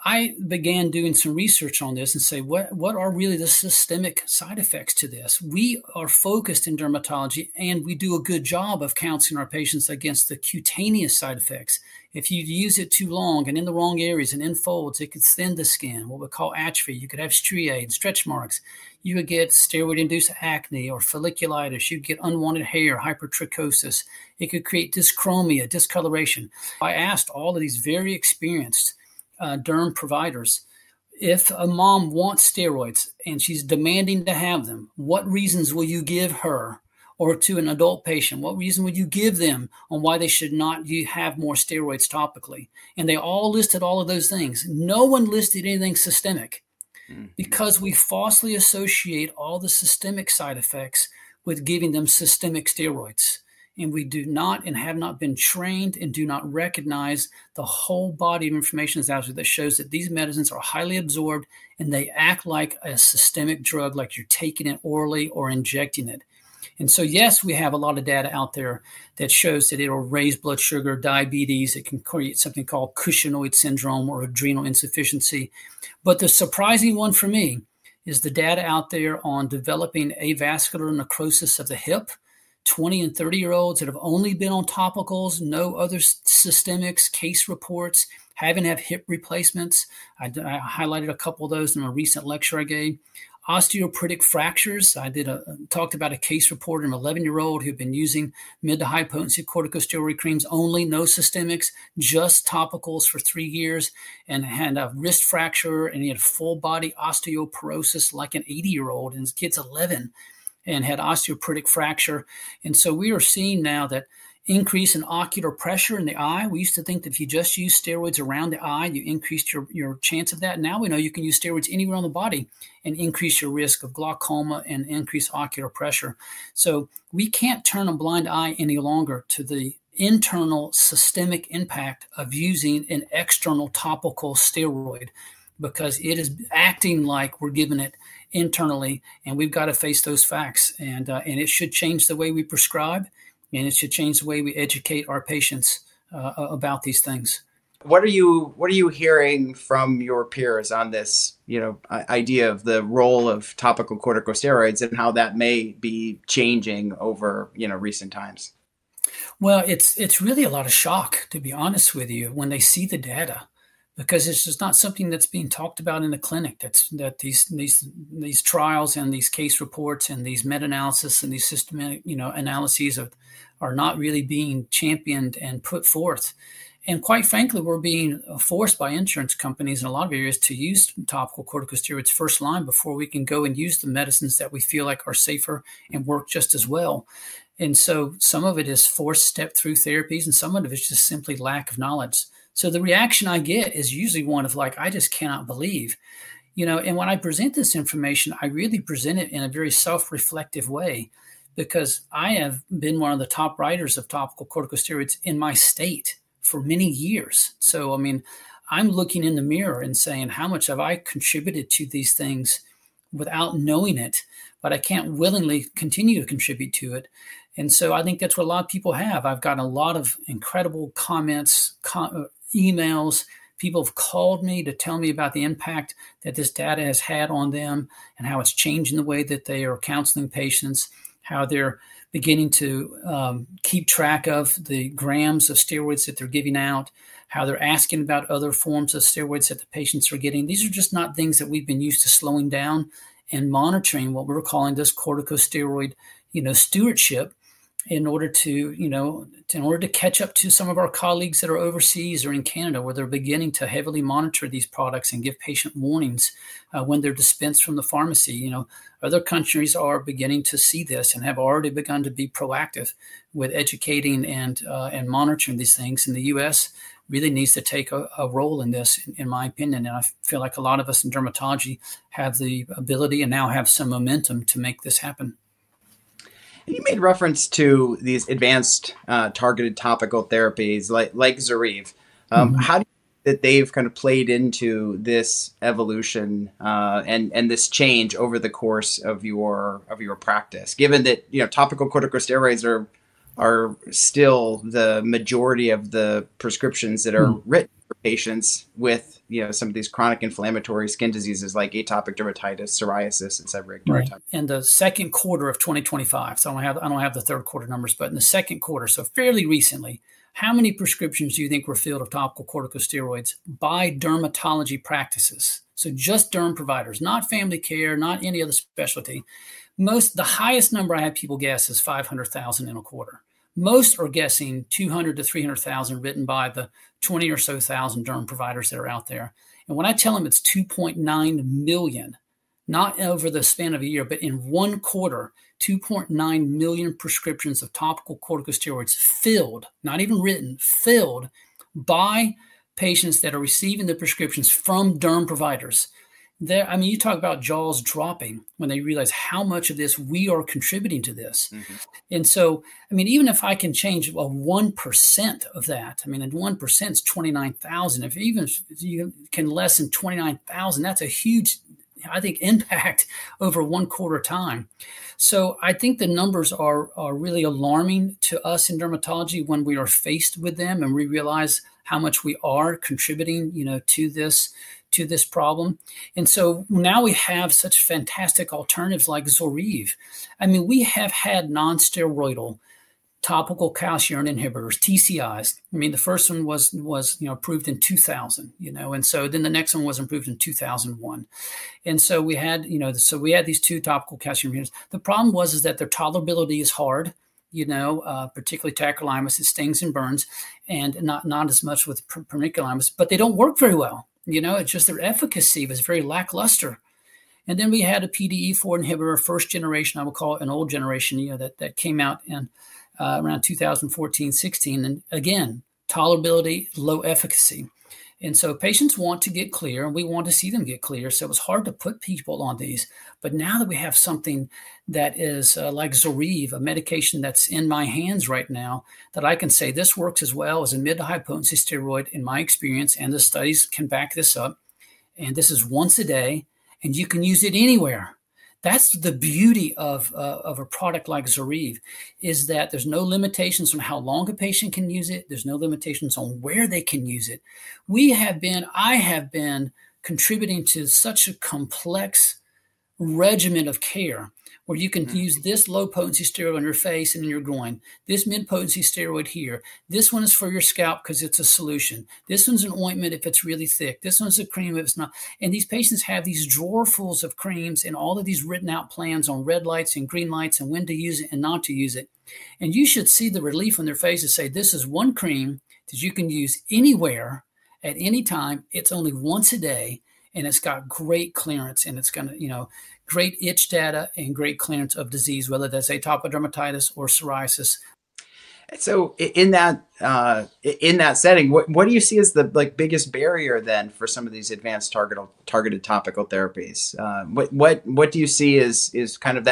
Speaker 7: I began doing some research on this and said, what are really the systemic side effects to this? We are focused in dermatology and we do a good job of counseling our patients against the cutaneous side effects. If you use it too long and in the wrong areas and in folds, it could thin the skin, what we call atrophy. You could have striae and stretch marks. You could get steroid-induced acne or folliculitis. You could get unwanted hair, hypertrichosis. It could create dyschromia, discoloration. I asked all of these very experienced derm providers, if a mom wants steroids and she's demanding to have them, what reasons will you give her or to an adult patient? What reason would you give them on why they should not have more steroids topically? They all listed all of those things. No one listed anything systemic because we falsely associate all the systemic side effects with giving them systemic steroids. We do not and have not been trained and do not recognize the whole body of information that shows that these medicines are highly absorbed and they act like a systemic drug, like you're taking it orally or injecting it. Yes, we have a lot of data out there that shows that it'll raise blood sugar, diabetes. It can create something called cushingoid syndrome or adrenal insufficiency. The surprising one for me is the data out there on developing avascular necrosis of the hip. 20- and 30-year-olds that have only been on topicals, no other systemics case reports, haven't had hip replacements. I highlighted a couple of those in a recent lecture I gave. Osteoporotic fractures. I talked about a case report of an 11-year-old who had been using mid to high potency corticosteroid creams only, no systemics, just topicals for three years, and had a wrist fracture. He had full body osteoporosis like an 80-year-old. This kid's 11 and had osteoporotic fracture. We are seeing now that increase in ocular pressure in the eye. We used to think that if you just use steroids around the eye, you increased your chance of that. Now we know you can use steroids anywhere on the body and increase your risk of glaucoma and increase ocular pressure. We can't turn a blind eye any longer to the internal systemic impact of using an external topical steroid because it is acting like we're giving it internally. We've got to face those facts. It should change the way we prescribe, and it should change the way we educate our patients about these things.
Speaker 6: What are you hearing from your peers on this idea of the role of topical corticosteroids and how that may be changing over recent times?
Speaker 7: It's really a lot of shock, to be honest with you, when they see the data because it's just not something that's being talked about in the clinic, that these trials and these case reports and these meta-analyses and these systemic analyses are not really being championed and put forth. Quite frankly, we're being forced by insurance companies in a lot of areas to use topical corticosteroids first line before we can go and use the medicines that we feel like are safer and work just as well. Some of it is forced step-through therapies, and some of it is just simply lack of knowledge. The reaction I get is usually one of like, I just cannot believe. When I present this information, I really present it in a very self-reflective way because I have been one of the top writers of topical corticosteroids in my state for many years. I'm looking in the mirror and saying, how much have I contributed to these things without knowing it, but I can't willingly continue to contribute to it. I think that's what a lot of people have. I've gotten a lot of incredible comments, emails. People have called me to tell me about the impact that this data has had on them and how it's changing the way that they are counseling patients, how they're beginning to keep track of the grams of steroids that they're giving out, how they're asking about other forms of steroids that the patients are getting. These are just not things that we've been used to slowing down and monitoring what we're calling this corticosteroid stewardship in order to catch up to some of our colleagues that are overseas or in Canada, where they're beginning to heavily monitor these products and give patient warnings when they're dispensed from the pharmacy. Other countries are beginning to see this and have already begun to be proactive with educating and monitoring these things. The U.S. really needs to take a role in this, in my opinion. I feel like a lot of us in dermatology have the ability and now have some momentum to make this happen.
Speaker 6: You made reference to these advanced targeted topical therapies like ZORYVE. How do you think that they've kind of played into this evolution and this change over the course of your practice, given that topical corticosteroids are still the majority of the prescriptions that are written for patients with some of these chronic inflammatory skin diseases like atopic dermatitis, psoriasis, and seborrheic dermatitis?
Speaker 7: In the second quarter of 2025, I don't have the third quarter numbers, but in the second quarter, so fairly recently, how many prescriptions do you think were filled of topical corticosteroids by dermatology practices? Just derm providers, not family care, not any other specialty. The highest number I have people guess is 500,000 in a quarter. Most are guessing 200,000-300,000 written by the 20,000 or so derm providers that are out there. When I tell them it's 2.9 million, not over the span of a year, but in one quarter, 2.9 million prescriptions of topical corticosteroids filled, not even written, filled by patients that are receiving the prescriptions from derm providers. You talk about jaws dropping when they realize how much of this we are contributing to this. Even if I can change 1% of that, and 1% is 29,000. If you can lessen 29,000, that's a huge, I think, impact over one quarter time. The numbers are really alarming to us in dermatology when we are faced with them and we realize how much we are contributing to this problem. Now we have such fantastic alternatives like ZORYVE. We have had non-steroidal topical calcineurin inhibitors, TCIs. The first one was approved in 2000. The next one was approved in 2001. We had these two topical calcineurins. The problem was that their tolerability is hard, particularly tacrolimus; it stings and burns, and not as much with pimecrolimus. They don't work very well. Their efficacy was very lackluster. Then we had a PDE4 inhibitor, first generation, I would call it an old generation, that came out around 2014, 2016. Again, tolerability, low efficacy. Patients want to get clear, and we want to see them get clear. It was hard to put people on these. Now that we have something that is like ZORYVE, a medication that's in my hands right now, that I can say this works as well as a mid-to-high potency steroid in my experience, and the studies can back this up. This is once a day, and you can use it anywhere. The beauty of a product like ZORYVE is that there's no limitations on how long a patient can use it. There's no limitations on where they can use it. We have been, I have been contributing to such a complex regimen of care where you can use this low potency steroid on your face and in your groin, this mid potency steroid here. This one is for your scalp because it's a solution. This one's an ointment if it's really thick. This one's a cream if it's not. These patients have these drawer fulls of creams and all of these written out plans on red lights and green lights and when to use it and not to use it. You should see the relief on their faces to say this is one cream that you can use anywhere at any time. It's only once a day, and it's got great clearance, and it's got great itch data and great clearance of disease, whether that's atopic dermatitis or psoriasis.
Speaker 6: In that setting, what do you see as the biggest barrier then for some of these advanced targeted topical therapies? What do you see as kind of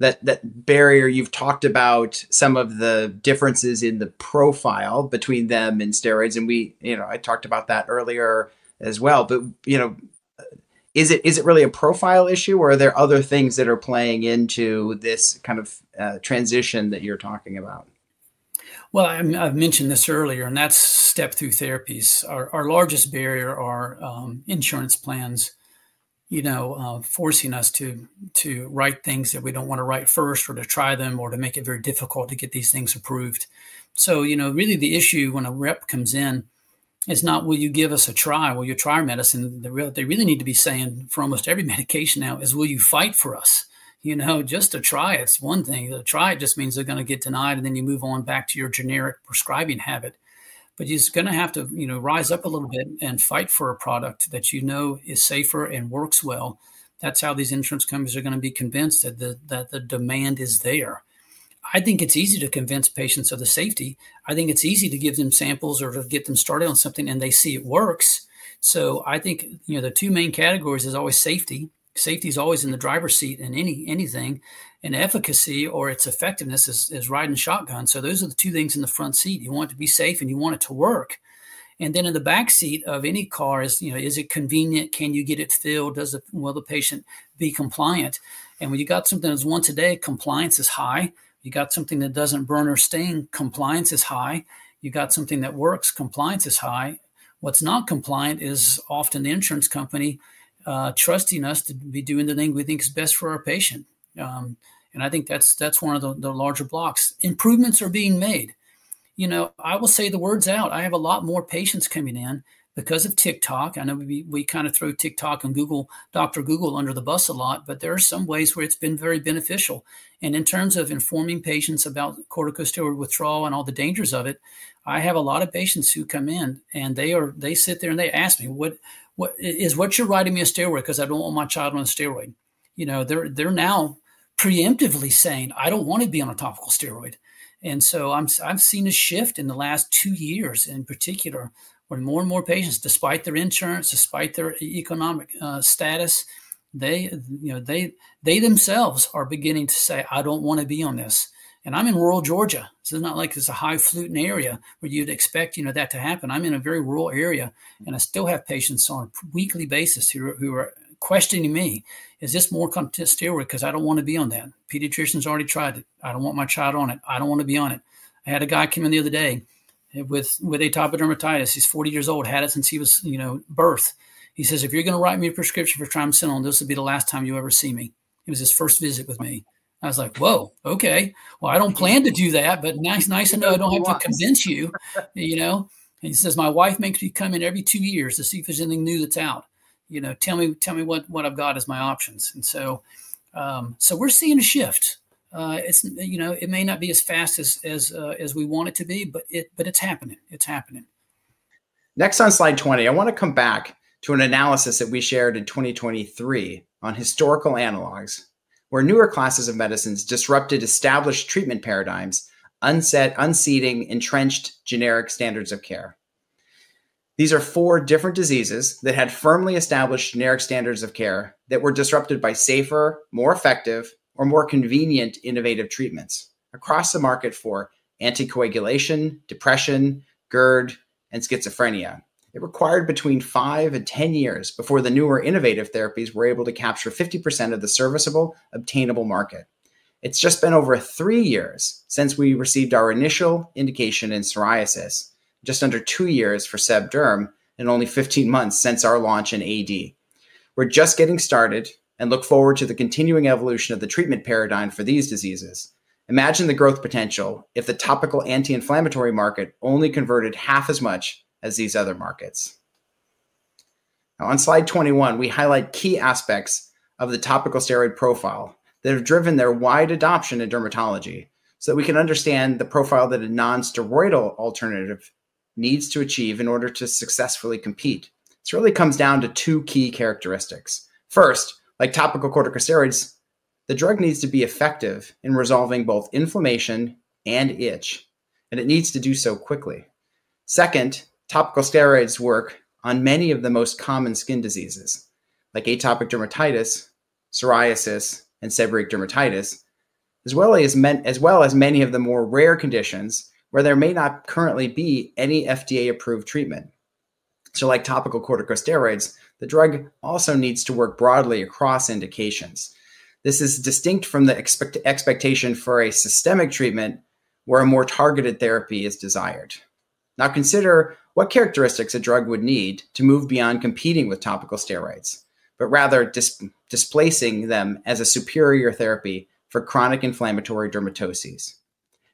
Speaker 6: that barrier? You've talked about some of the differences in the profile between them and steroids, and we, you know, I talked about that earlier as well. You know, is it really a profile issue, or are there other things that are playing into this kind of transition that you're talking about?
Speaker 7: I mentioned this earlier, and that's step-through therapies. Our largest barrier is insurance plans, you know, forcing us to write things that we don't want to write first or to try them or to make it very difficult to get these things approved. You know, really the issue when a rep comes in is not, will you give us a try? Will you try our medicine? They really need to be saying for almost every medication now, will you fight for us? You know, just to try is one thing. To try it just means they're going to get denied, and then you move on back to your generic prescribing habit. You're just going to have to rise up a little bit and fight for a product that you know is safer and works well. That's how these insurance companies are going to be convinced that the demand is there. I think it's easy to convince patients of the safety. I think it's easy to give them samples or to get them started on something, and they see it works. I think the two main categories are always safety. Safety is always in the driver's seat in anything, and efficacy or its effectiveness is riding shotgun. Those are the two things in the front seat. You want it to be safe, and you want it to work. In the back seat of any car is, you know, is it convenient? Can you get it filled? Will the patient be compliant? When you've got something that's once a day, compliance is high. You've got something that doesn't burn or stain, compliance is high. You've got something that works, compliance is high. What's not compliant is often the insurance company trusting us to be doing the thing we think is best for our patient. I think that's one of the larger blocks. Improvements are being made. I will say the word's out. I have a lot more patients coming in because of TikTok. I know we kind of throw TikTok and Google Dr. Google under the bus a lot, but there are some ways where it's been very beneficial. In terms of informing patients about corticosteroid withdrawal and all the dangers of it, I have a lot of patients who come in, and they sit there and they ask me, is what you're writing me a steroid because I don't want my child on a steroid? You know, they're now preemptively saying, I don't want to be on a topical steroid. I've seen a shift in the last two years in particular when more and more patients, despite their insurance, despite their economic status, they themselves are beginning to say, I don't want to be on this. I'm in rural Georgia. This is not like it's a highfalutin area where you'd expect that to happen. I'm in a very rural area, and I still have patients on a weekly basis who are questioning me, is this more steroid because I don't want to be on that? Pediatricians already tried it. I don't want my child on it. I don't want to be on it. I had a guy come in the other day with atopic dermatitis. He's 40 years old, had it since he was, you know, birth. He says, if you're going to write me a prescription for triamcinolone, this would be the last time you ever see me. It was his first visit with me. I was like, whoa, OK. I don't plan to do that, but nice to know I don't have to convince you. He says, my wife makes me come in every two years to see if there's anything new that's out. Tell me what I've got as my options. We're seeing a shift. It may not be as fast as we want it to be, but it's happening. It's happening.
Speaker 6: Next on slide 20, I want to come back to an analysis that we shared in 2023 on historical analogs where newer classes of medicines disrupted established treatment paradigms, unsettling, unseating, entrenched generic standards of care. These are four different diseases that had firmly established generic standards of care that were disrupted by safer, more effective, or more convenient innovative treatments across the market for anticoagulation, depression, GERD, and schizophrenia. It required between five and 10 years before the newer innovative therapies were able to capture 50% of the serviceable obtainable market. It's just been over three years since we received our initial indication in psoriasis, just under two years for seb derm, and only 15 months since our launch in AD. We're just getting started and look forward to the continuing evolution of the treatment paradigm for these diseases. Imagine the growth potential if the topical anti-inflammatory market only converted half as much as these other markets. On slide 21, we highlight key aspects of the topical steroid profile that have driven their wide adoption in dermatology so that we can understand the profile that a non-steroidal alternative needs to achieve in order to successfully compete. This really comes down to two key characteristics. First, like topical corticosteroids, the drug needs to be effective in resolving both inflammation and itch, and it needs to do so quickly. Second, topical steroids work on many of the most common skin diseases like atopic dermatitis, psoriasis, and seborrheic dermatitis, as well as many of the more rare conditions where there may not currently be any FDA-approved treatment. Like topical corticosteroids, the drug also needs to work broadly across indications. This is distinct from the expectation for a systemic treatment where a more targeted therapy is desired. Now consider what characteristics a drug would need to move beyond competing with topical steroids, but rather displacing them as a superior therapy for chronic inflammatory dermatoses.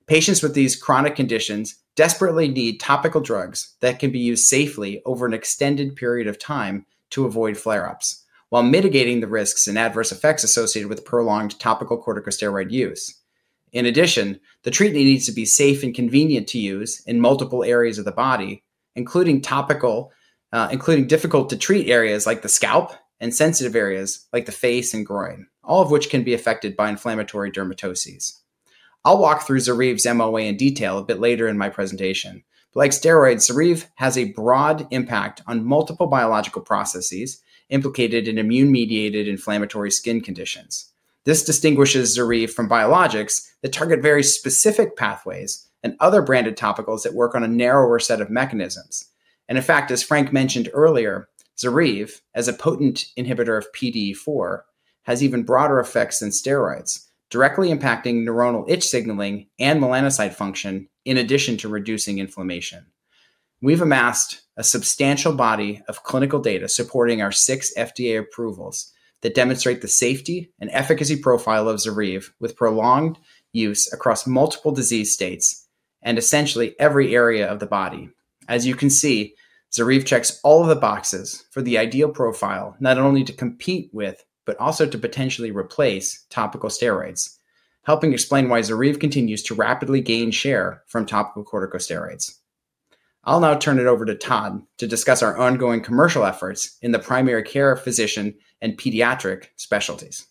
Speaker 6: Patients with these chronic conditions desperately need topical drugs that can be used safely over an extended period of time to avoid flare-ups while mitigating the risks and adverse effects associated with prolonged topical corticosteroid use. In addition, the treatment needs to be safe and convenient to use in multiple areas of the body, including difficult-to-treat areas like the scalp and sensitive areas like the face and groin, all of which can be affected by inflammatory dermatoses. I'll walk through ZORYVE's MOA in detail a bit later in my presentation. Like steroids, ZORYVE has a broad impact on multiple biological processes implicated in immune-mediated inflammatory skin conditions. This distinguishes ZORYVE from biologics that target very specific pathways and other branded topicals that work on a narrower set of mechanisms. In fact, as Frank mentioned earlier, ZORYVE, as a potent inhibitor of PDE4, has even broader effects than steroids, directly impacting neuronal itch signaling and melanocyte function in addition to reducing inflammation. We've amassed a substantial body of clinical data supporting our six FDA approvals that demonstrate the safety and efficacy profile of ZORYVE with prolonged use across multiple disease states and essentially every area of the body. As you can see, ZORYVE checks all of the boxes for the ideal profile, not only to compete with but also to potentially replace topical steroids, helping explain why ZORYVE continues to rapidly gain share from topical corticosteroids. I'll now turn it over to Todd to discuss our ongoing commercial efforts in the primary care, physician, and pediatric specialties.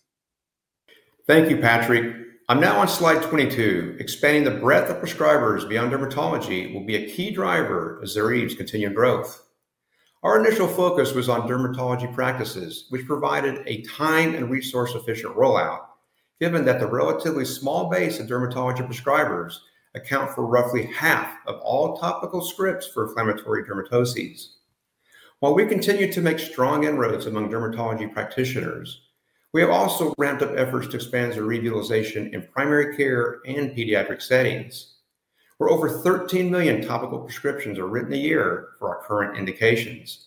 Speaker 4: Thank you, Patrick. I'm now on slide 22. Expanding the breadth of prescribers beyond dermatology will be a key driver of ZORYVE's continued growth. Our initial focus was on dermatology practices, which provided a time and resource-efficient rollout, given that the relatively small base of dermatology prescribers account for roughly half of all topical scripts for inflammatory dermatoses. While we continue to make strong inroads among dermatology practitioners, we have also ramped up efforts to expand ZORYVE utilization in primary care and pediatric settings, where over 13 million topical prescriptions are written a year for our current indications.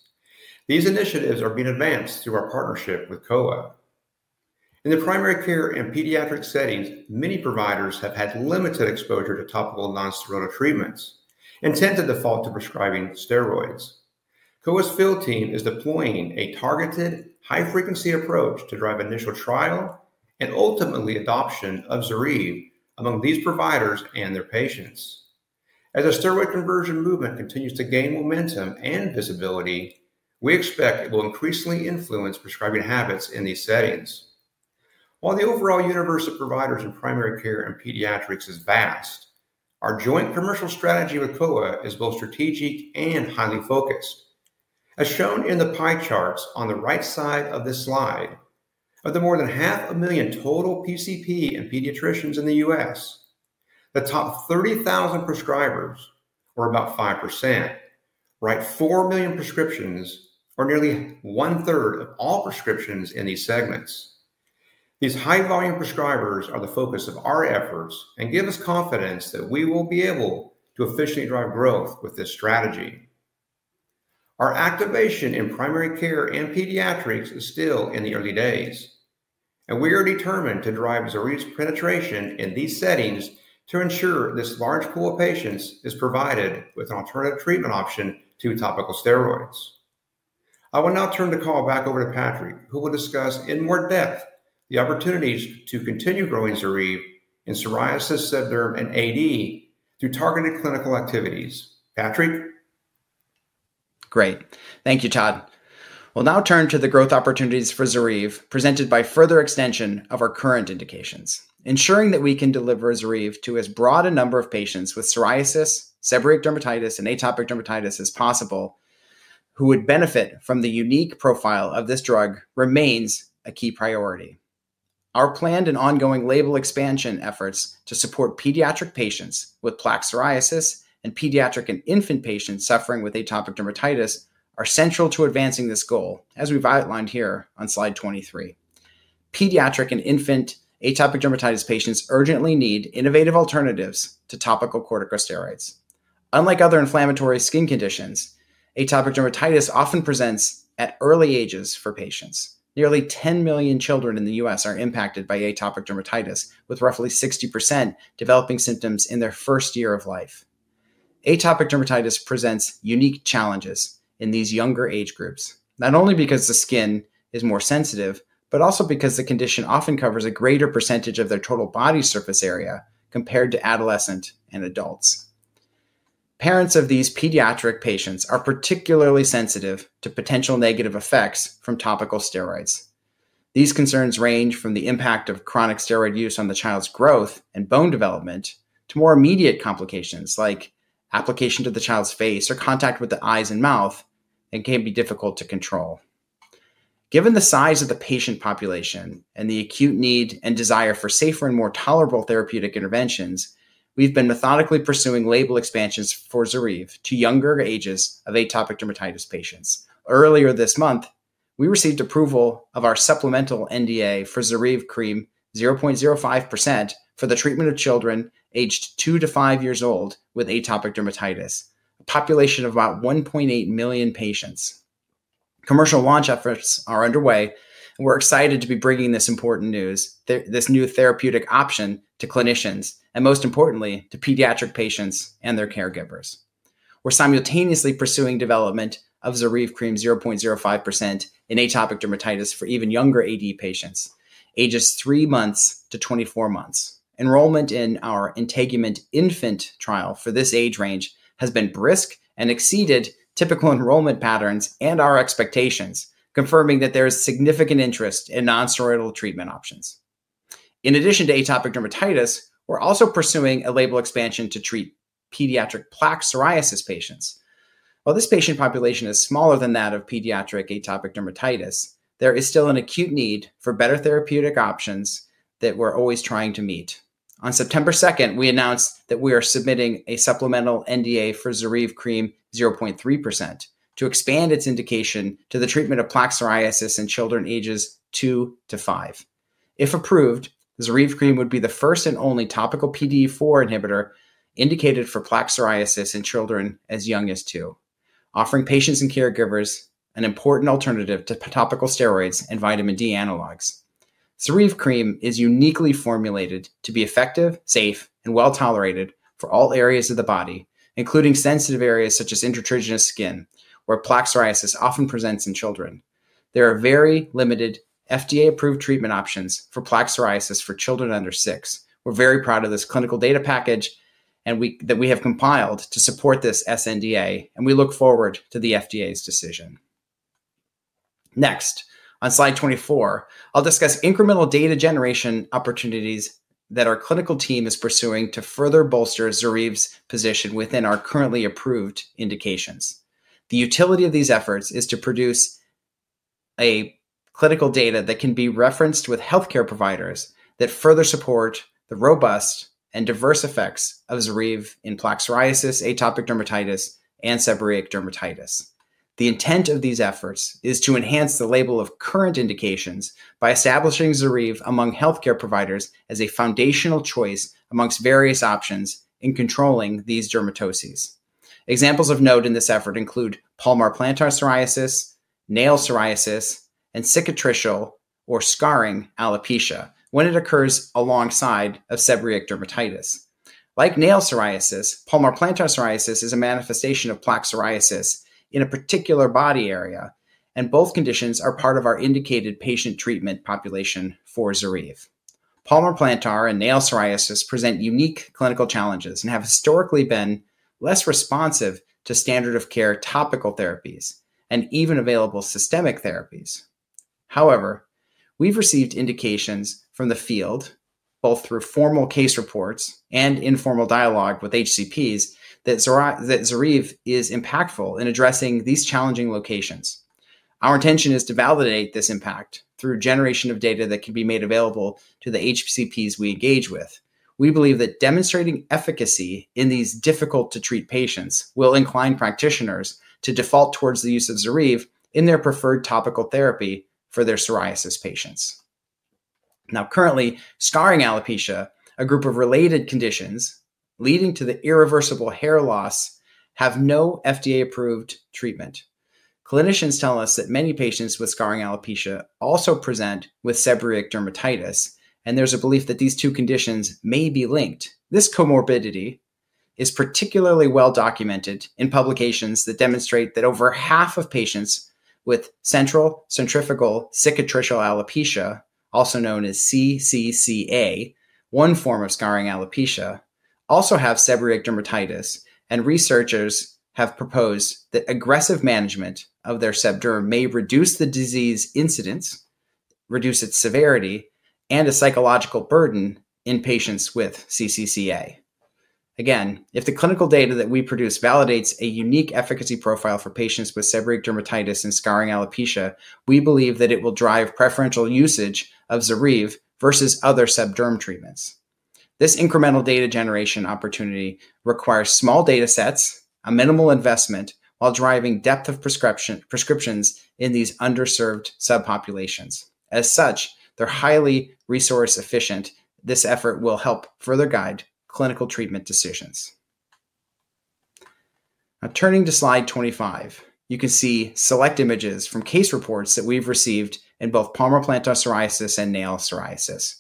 Speaker 4: These initiatives are being advanced through our partnership with COA. In the primary care and pediatric settings, many providers have had limited exposure to topical non-steroidal treatments and tend to default to prescribing steroids. COA's field team is deploying a targeted, high-frequency approach to drive initial trial and ultimately adoption of ZORYVE among these providers and their patients. As a steroid conversion movement continues to gain momentum and visibility, we expect it will increasingly influence prescribing habits in these settings. While the overall universe of providers in primary care and pediatrics is vast, our joint commercial strategy with COA is both strategic and highly focused. As shown in the pie charts on the right side of this slide, of the more than 500, 000total PCP and pediatricians in the U.S., the top 30,000 prescribers, or about 5%, write 4 million prescriptions or nearly one-third of all prescriptions in these segments. These high-volume prescribers are the focus of our efforts and give us confidence that we will be able to efficiently drive growth with this strategy. Our activation in primary care and pediatrics is still in the early days, and we are determined to drive ZORYVE's penetration in these settings to ensure this large pool of patients is provided with an alternative treatment option to topical steroids. I will now turn the call back over to Patrick, who will discuss in more depth the opportunities to continue growing ZORYVE in psoriasis, seb derm, and AD through targeted clinical activities. Patrick?
Speaker 6: Great. Thank you, Todd. We'll now turn to the growth opportunities for ZORYVE presented by further extension of our current indications. Ensuring that we can deliver ZORYVE to as broad a number of patients with psoriasis, seborrheic dermatitis, and atopic dermatitis as possible, who would benefit from the unique profile of this drug, remains a key priority. Our planned and ongoing label expansion efforts to support pediatric patients with plaque psoriasis and pediatric and infant patients suffering with atopic dermatitis are central to advancing this goal, as we've outlined here on slide 23. Pediatric and infant atopic dermatitis patients urgently need innovative alternatives to topical corticosteroids. Unlike other inflammatory skin conditions, atopic dermatitis often presents at early ages for patients. Nearly 10 million children in the U.S. are impacted by atopic dermatitis, with roughly 60% developing symptoms in their first year of life. Atopic dermatitis presents unique challenges in these younger age groups, not only because the skin is more sensitive, but also because the condition often covers a greater percentage of their total body surface area compared to adolescents and adults. Parents of these pediatric patients are particularly sensitive to potential negative effects from topical steroids. These concerns range from the impact of chronic steroid use on the child's growth and bone development to more immediate complications like application to the child's face or contact with the eyes and mouth and can be difficult to control. Given the size of the patient population and the acute need and desire for safer and more tolerable therapeutic interventions, we've been methodically pursuing label expansions for ZORYVE to younger ages of atopic dermatitis patients. Earlier this month, we received approval of our supplemental NDA for ZORYVE cream 0.05% for the treatment of children aged two to five years old with atopic dermatitis, a population of about 1.8 million patients. Commercial launch efforts are underway, and we're excited to be bringing this important news, this new therapeutic option to clinicians and, most importantly, to pediatric patients and their caregivers. We're simultaneously pursuing development of ZORYVE cream 0.05% in atopic dermatitis for even younger AD patients, ages three months to 24 months. Enrollment in our Integument Infant trial for this age range has been brisk and exceeded typical enrollment patterns and our expectations, confirming that there is significant interest in non-steroidal treatment options. In addition to atopic dermatitis, we're also pursuing a label expansion to treat pediatric plaque psoriasis patients. While this patient population is smaller than that of pediatric atopic dermatitis, there is still an acute need for better therapeutic options that we're always trying to meet. On September 2nd, we announced that we are submitting a supplemental NDA for ZORYVE cream 0.3% to expand its indication to the treatment of plaque psoriasis in children ages two to five. If approved, ZORYVE cream would be the first and only topical PDE4 inhibitor indicated for plaque psoriasis in children as young as two, offering patients and caregivers an important alternative to topical steroids and vitamin D analogs. ZORYVE cream is uniquely formulated to be effective, safe, and well tolerated for all areas of the body, including sensitive areas such as intertriginous skin, where plaque psoriasis often presents in children. There are very limited FDA-approved treatment options for plaque psoriasis for children under six. We're very proud of this clinical data package that we have compiled to support this sNDA, and we look forward to the FDA's decision. Next, on slide 24, I'll discuss incremental data generation opportunities that our clinical team is pursuing to further bolster ZORYVE's position within our currently approved indications. The utility of these efforts is to produce clinical data that can be referenced with health care providers that further support the robust and diverse effects of ZORYVE in plaque psoriasis, atopic dermatitis, and seborrheic dermatitis. The intent of these efforts is to enhance the label of current indications by establishing ZORYVE among health care providers as a foundational choice amongst various options in controlling these dermatoses. Examples of note in this effort include palmar plantar psoriasis, nail psoriasis, and cicatricial or scarring alopecia when it occurs alongside seborrheic dermatitis. Like nail psoriasis, palmar plantar psoriasis is a manifestation of plaque psoriasis in a particular body area, and both conditions are part of our indicated patient treatment population for ZORYVE. Palmar plantar and nail psoriasis present unique clinical challenges and have historically been less responsive to standard-of-care topical therapies and even available systemic therapies. However, we've received indications from the field, both through formal case reports and informal dialogue with HCPs, that ZORYVE is impactful in addressing these challenging locations. Our intention is to validate this impact through generation of data that can be made available to the HCPs we engage with. We believe that demonstrating efficacy in these difficult-to-treat patients will incline practitioners to default towards the use of ZORYVE in their preferred topical therapy for their psoriasis patients. Now, currently, scarring alopecia, a group of related conditions leading to irreversible hair loss, has no FDA-approved treatment. Clinicians tell us that many patients with scarring alopecia also present with seborrheic dermatitis, and there's a belief that these two conditions may be linked. This comorbidity is particularly well documented in publications that demonstrate that over half of patients with central centrifugal cicatricial alopecia, also known as CCCA, one form of scarring alopecia, also have seborrheic dermatitis. Researchers have proposed that aggressive management of their seb derm may reduce the disease incidence, reduce its severity, and a psychological burden in patients with CCCA. If the clinical data that we produce validates a unique efficacy profile for patients with seborrheic dermatitis and scarring alopecia, we believe that it will drive preferential usage of ZORYVE versus other seb derm treatments. This incremental data generation opportunity requires small data sets, a minimal investment, while driving depth of prescriptions in these underserved subpopulations. As such, they're highly resource-efficient. This effort will help further guide clinical treatment decisions. Now, turning to slide 25, you can see select images from case reports that we've received in both palmar plantar psoriasis and nail psoriasis.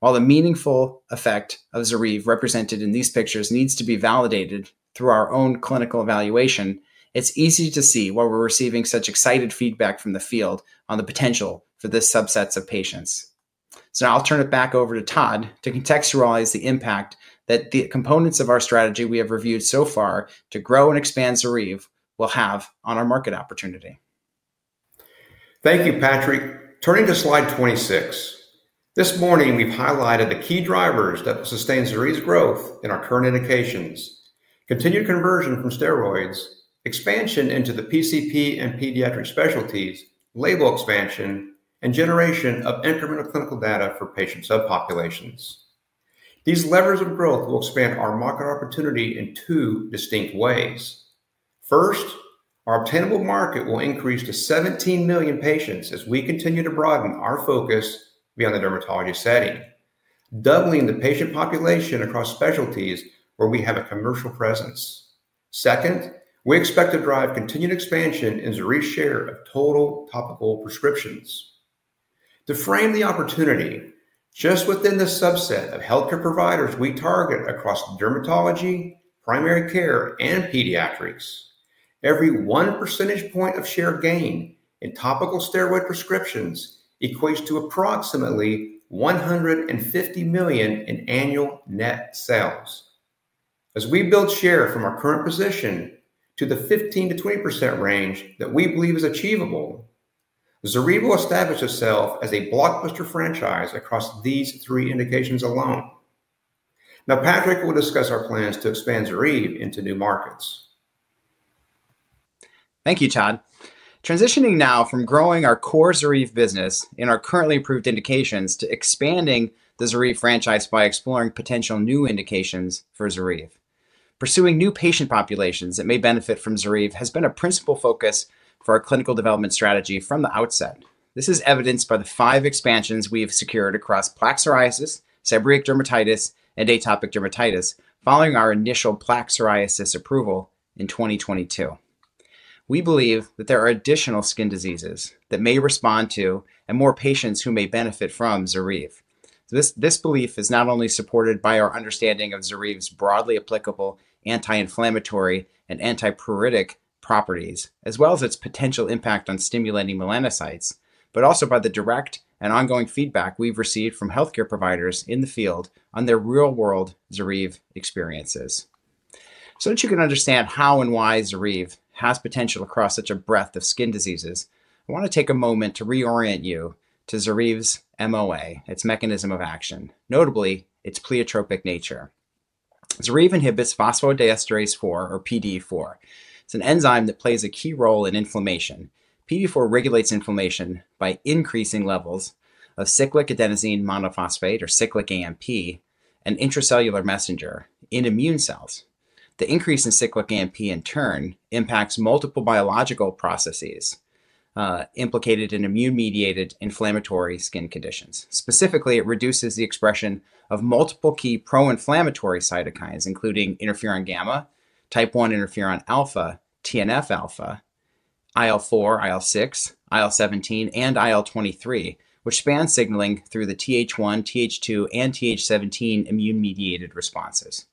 Speaker 6: While the meaningful effect of ZORYVE represented in these pictures needs to be validated through our own clinical evaluation, it's easy to see why we're receiving such excited feedback from the field on the potential for this subset of patients. I will turn it back over to Todd to contextualize the impact that the components of our strategy we have reviewed so far to grow and expand ZORYVE will have on our market opportunity.
Speaker 4: Thank you, Patrick. Turning to slide 26. This morning, we've highlighted the key drivers that will sustain ZORYVE's growth in our current indications: continued conversion from steroids, expansion into the PCP and pediatric specialties, label extension, and generation of incremental clinical data for patient subpopulations. These levers of growth will expand our market opportunity in two distinct ways. First, our obtainable market will increase to 17 million patients as we continue to broaden our focus beyond the dermatology setting, doubling the patient population across specialties where we have a commercial presence. Second, we expect to drive continued expansion in ZORYVE's share of total topical prescriptions. To frame the opportunity, just within the subset of health care providers we target across dermatology, primary care, and pediatrics, every 1% of share gain in topical steroid prescriptions equates to approximately $150 million in annual net sales. As we build share from our current position to the 15%-20% range that we believe is achievable, ZORYVE will establish itself as a blockbuster franchise across these three indications alone. Now, Patrick will discuss our plans to expand ZORYVE into new markets.
Speaker 6: Thank you, Todd. Transitioning now from growing our core ZORYVE business in our currently approved indications to expanding the ZORYVE franchise by exploring potential new indications for ZORYVE. Pursuing new patient populations that may benefit from ZORYVE has been a principal focus for our clinical development strategy from the outset. This is evidenced by the five expansions we've secured across plaque psoriasis, seborrheic dermatitis, and atopic dermatitis following our initial plaque psoriasis approval in 2022. We believe that there are additional skin diseases that may respond to and more patients who may benefit from ZORYVE. This belief is not only supported by our understanding of ZORYVE's broadly applicable anti-inflammatory and antipruritic properties, as well as its potential impact on stimulating melanocytes, but also by the direct and ongoing feedback we've received from health care providers in the field on their real-world ZORYVE experiences. That you can understand how and why ZORYVE has potential across such a breadth of skin diseases, I want to take a moment to reorient you to ZORYVE's MOA, its Mechanism of Action, notably its pleiotropic nature. ZORYVE inhibits phosphodiesterase 4, or PDE4. It's an enzyme that plays a key role in inflammation. PDE4 regulates inflammation by increasing levels of cyclic adenosine monophosphate, or cyclic AMP, an intracellular messenger in immune cells. The increase in cyclic AMP, in turn, impacts multiple biological processes implicated in immune-mediated inflammatory skin conditions. Specifically, it reduces the expression of multiple key pro-inflammatory cytokines, including interferon gamma, type 1 interferon alpha, TNF-α, IL-4, IL-6, IL-17, and IL-23, which span signaling through the TH1, TH2, and TH17 immune-mediated responses.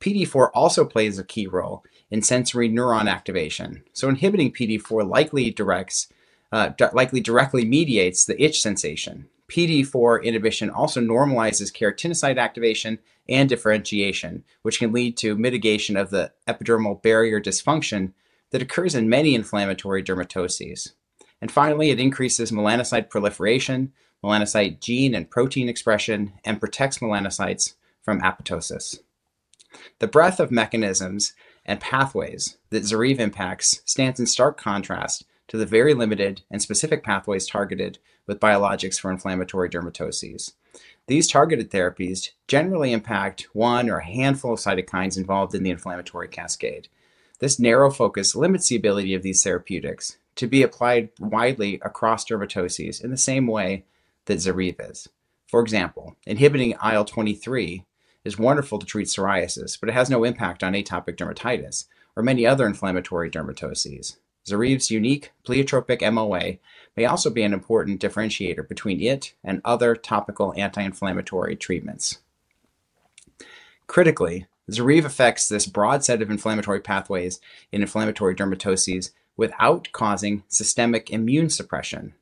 Speaker 6: PDE4 also plays a key role in sensory neuron activation. Inhibiting PDE4 likely directly mediates the itch sensation. PDE4 inhibition also normalizes keratinocyte activation and differentiation, which can lead to mitigation of the epidermal barrier dysfunction that occurs in many inflammatory dermatoses. Finally, it increases melanocyte proliferation, melanocyte gene and protein expression, and protects melanocytes from apoptosis. The breadth of mechanisms and pathways that ZORYVE impacts stands in stark contrast to the very limited and specific pathways targeted with biologics for inflammatory dermatoses. These targeted therapies generally impact one or a handful of cytokines involved in the inflammatory cascade. This narrow focus limits the ability of these therapeutics to be applied widely across dermatoses in the same way that ZORYVE is. For example, inhibiting IL-23 is wonderful to treat psoriasis, but it has no impact on atopic dermatitis or many other inflammatory dermatoses. ZORYVE's unique pleiotropic MOA may also be an important differentiator between it and other topical anti-inflammatory treatments. Critically, ZORYVE affects this broad set of inflammatory pathways in inflammatory dermatoses without causing systemic immune suppression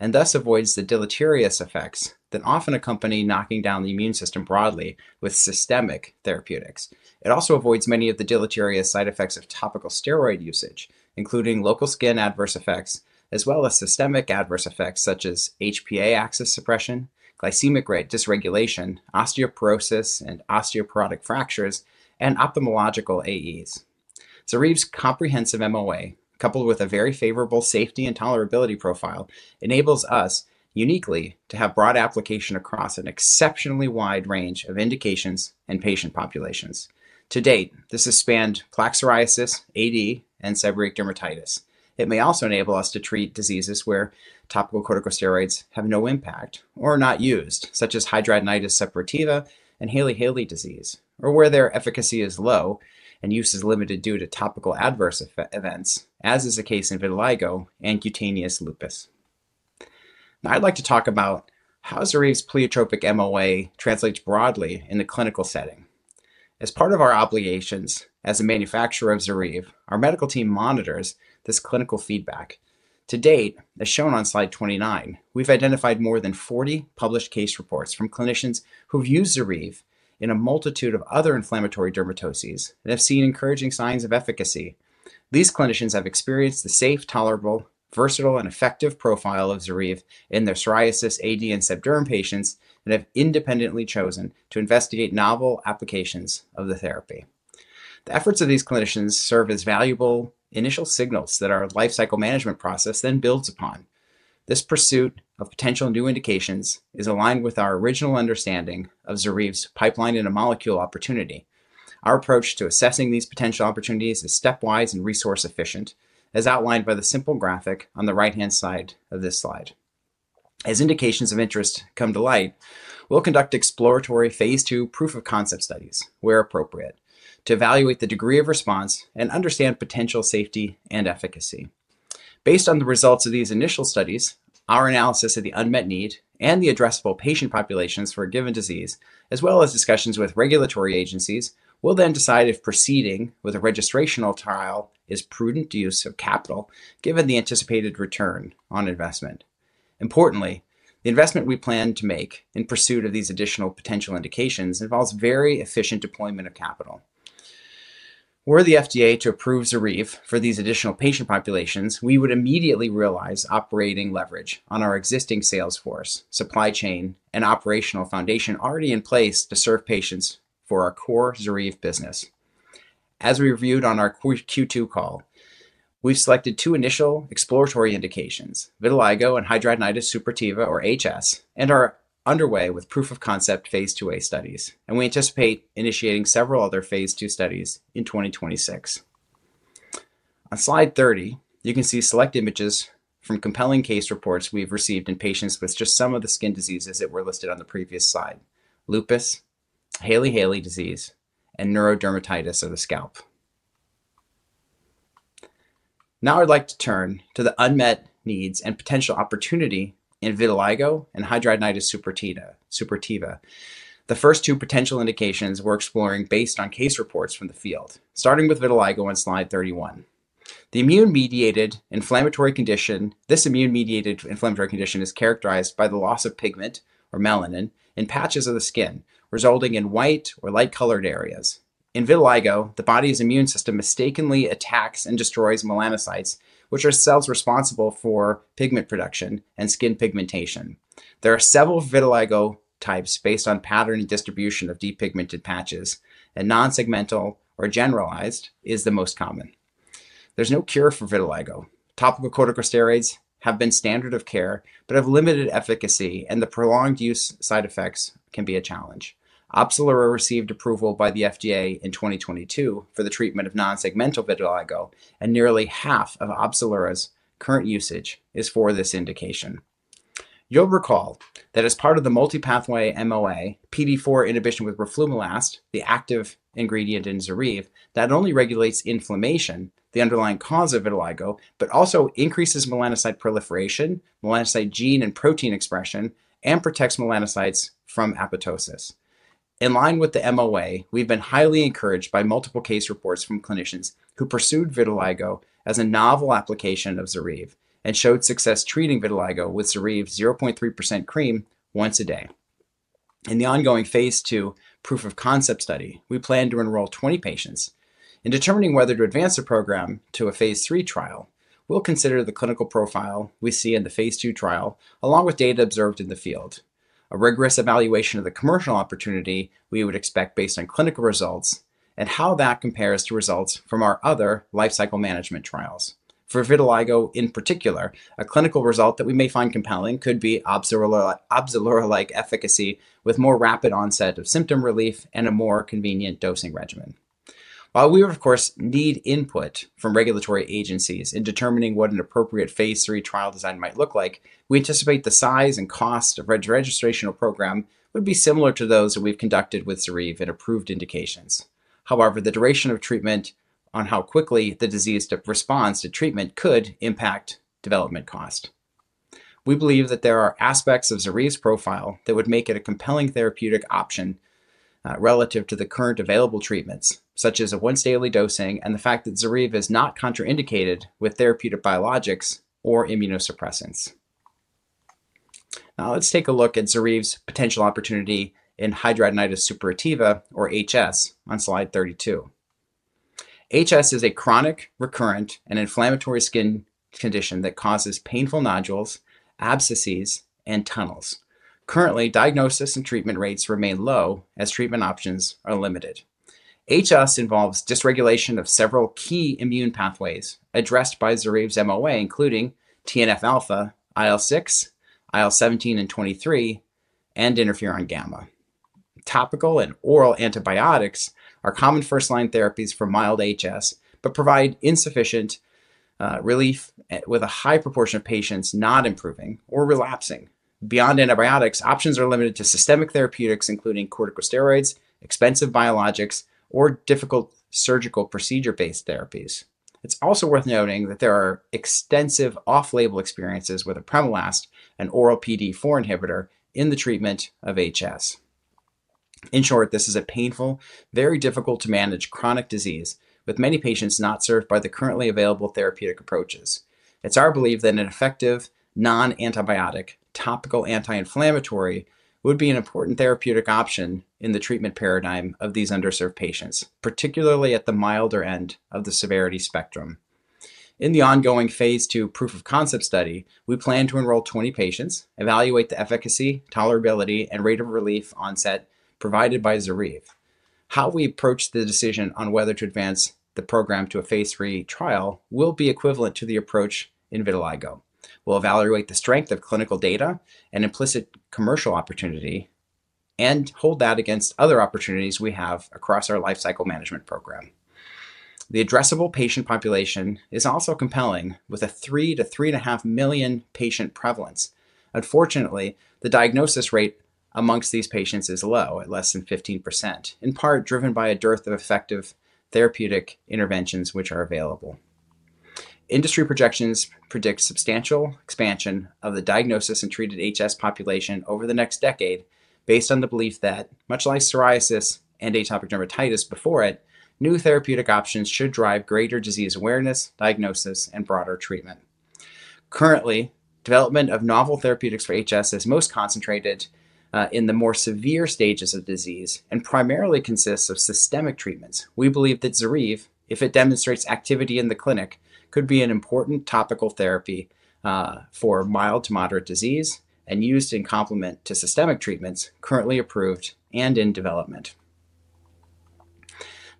Speaker 6: and thus avoids the deleterious effects that often accompany knocking down the immune system broadly with systemic therapy. It also avoids many of the deleterious side effects of topical steroid usage, including local skin adverse effects, as well as systemic adverse effects such as HPA axis suppression, glycemic rate dysregulation, osteoporosis, and osteoporotic fractures, and ophthalmological AEs. ZORYVE's comprehensive MOA, coupled with a very favorable safety and tolerability profile, enables us uniquely to have broad application across an exceptionally wide range of indications and patient populations. To date, this has spanned plaque psoriasis, AD, and seborrheic dermatitis. It may also enable us to treat diseases where topical corticosteroids have no impact or are not used, such as hidradenitis suppurativa and Hailey-Hailey disease, or where their efficacy is low and use is limited due to topical adverse events, as is the case in vitiligo and cutaneous lupus. Now, I'd like to talk about how ZORYVE's pleiotropic MOA translates broadly in the clinical setting. As part of our obligations as a manufacturer of ZORYVE, our medical team monitors this clinical feedback. To date, as shown on slide 29, we've identified more than 40 published case reports from clinicians who've used ZORYVE in a multitude of other inflammatory dermatoses and have seen encouraging signs of efficacy. These clinicians have experienced the safe, tolerable, versatile, and effective profile of ZORYVE in their psoriasis, atopic dermatitis, and seborrheic dermatitis patients and have independently chosen to investigate novel applications of the therapy. The efforts of these clinicians serve as valuable initial signals that our lifecycle management process then builds upon. This pursuit of potential new indications is aligned with our original understanding of ZORYVE's pipeline in a molecule opportunity. Our approach to assessing these potential opportunities is stepwise and resource efficient, as outlined by the simple graphic on the right-hand side of this slide. As indications of interest come to light, we'll conduct exploratory phase II proof of concept studies, where appropriate, to evaluate the degree of response and understand potential safety and efficacy. Based on the results of these initial studies, our analysis of the unmet need and the addressable patient populations for a given disease, as well as discussions with regulatory agencies, will then decide if proceeding with a registrational trial is prudent use of capital, given the anticipated return on investment. Importantly, the investment we plan to make in pursuit of these additional potential indications involves very efficient deployment of capital. Were the FDA to approve ZORYVE for these additional patient populations, we would immediately realize operating leverage on our existing sales force, supply chain, and operational foundation already in place to serve patients for our core ZORYVE business. As we reviewed on our Q2 call, we've selected two initial exploratory indications, vitiligo and hidradenitis suppurativa, or HS, and are underway with proof of concept phase II-A studies. We anticipate initiating several other phase 2 studies in 2026. On slide 30, you can see select images from compelling case reports we've received in patients with just some of the skin diseases that were listed on the previous slide: lupus, Hailey-Hailey disease, and neurodermatitis of the scalp. Now I'd like to turn to the unmet needs and potential opportunity in vitiligo and hidradenitis suppurativa, the first two potential indications we're exploring based on case reports from the field, starting with vitiligo on slide 31. This immune-mediated inflammatory condition is characterized by the loss of pigment, or melanin, in patches of the skin, resulting in white or light-colored areas. In vitiligo, the body's immune system mistakenly attacks and destroys melanocytes, which are cells responsible for pigment production and skin pigmentation. There are several vitiligo types based on pattern and distribution of depigmented patches, and non-segmental or generalized is the most common. There's no cure for vitiligo. Topical corticosteroids have been standard of care, but have limited efficacy, and the prolonged use side effects can be a challenge. Opzelura received approval by the FDA in 2022 for the treatment of non-segmental vitiligo, and nearly half of Opzelura's current usage is for this indication. You'll recall that as part of the multi-pathway MOA, PDE4 inhibition with roflumilast, the active ingredient in ZORYVE, not only regulates inflammation, the underlying cause of vitiligo, but also increases melanocyte proliferation, melanocyte gene and protein expression, and protects melanocytes from apoptosis. In line with the MOA, we've been highly encouraged by multiple case reports from clinicians who pursued vitiligo as a novel application of ZORYVE and showed success treating vitiligo with ZORYVE 0.3% cream once a day. In the ongoing phase II proof of concept study, we plan to enroll 20 patients. In determining whether to advance the program to a phase III trial, we'll consider the clinical profile we see in the phase II trial, along with data observed in the field. A rigorous evaluation of the commercial opportunity we would expect based on clinical results and how that compares to results from our other lifecycle management trials. For vitiligo in particular, a clinical result that we may find compelling could be Opzelura-like efficacy with more rapid onset of symptom relief and a more convenient dosing regimen. While we, of course, need input from regulatory agencies in determining what an appropriate phase III trial design might look like, we anticipate the size and cost of a registrational program would be similar to those that we've conducted with ZORYVE in approved indications. However, the duration of treatment and how quickly the disease responds to treatment could impact development cost. We believe that there are aspects of ZORYVE's profile that would make it a compelling therapeutic option relative to the currently available treatments, such as a once-daily dosing and the fact that ZORYVE is not contraindicated with therapeutic biologics or immunosuppressants. Now let's take a look at ZORYVE's potential opportunity in hidradenitis suppurativa, or HS, on slide 32. HS is a chronic, recurrent, and inflammatory skin condition that causes painful nodules, abscesses, and tunnels. Currently, diagnosis and treatment rates remain low as treatment options are limited. HS involves dysregulation of several key immune pathways addressed by ZORYVE's MOA, including TNF-α, IL-6, IL-17 and 23, and interferon gamma. Topical and oral antibiotics are common first-line therapies for mild HS but provide insufficient relief with a high proportion of patients not improving or relapsing. Beyond antibiotics, options are limited to systemic therapeutics, including corticosteroids, expensive biologics, or difficult surgical procedure-based therapies. It's also worth noting that there are extensive off-label experiences with apremilast, an oral PDE4 inhibitor, in the treatment of HS. In short, this is a painful, very difficult to manage chronic disease with many patients not served by the currently available therapeutic approaches. It's our belief that an effective non-antibiotic topical anti-inflammatory would be an important therapeutic option in the treatment paradigm of these underserved patients, particularly at the milder end of the severity spectrum. In the ongoing phase II proof of concept study, we plan to enroll 20 patients, evaluate the efficacy, tolerability, and rate of relief onset provided by ZORYVE. How we approach the decision on whether to advance the program to a phase III trial will be equivalent to the approach in vitiligo. We'll evaluate the strength of clinical data and implicit commercial opportunity and hold that against other opportunities we have across our lifecycle management program. The addressable patient population is also compelling, with a 3-3.5 million patient prevalence. Unfortunately, the diagnosis rate amongst these patients is low, at less than 15%, in part driven by a dearth of effective therapeutic interventions which are available. Industry projections predict substantial expansion of the diagnosis and treated HS population over the next decade based on the belief that, much like psoriasis and atopic dermatitis before it, new therapeutic options should drive greater disease awareness, diagnosis, and broader treatment. Currently, development of novel therapeutics for hidradenitis suppurativa is most concentrated in the more severe stages of disease and primarily consists of systemic treatments. We believe that ZORYVE, if it demonstrates activity in the clinic, could be an important topical therapy for mild-to-moderate disease and used in complement to systemic treatments currently approved and in development.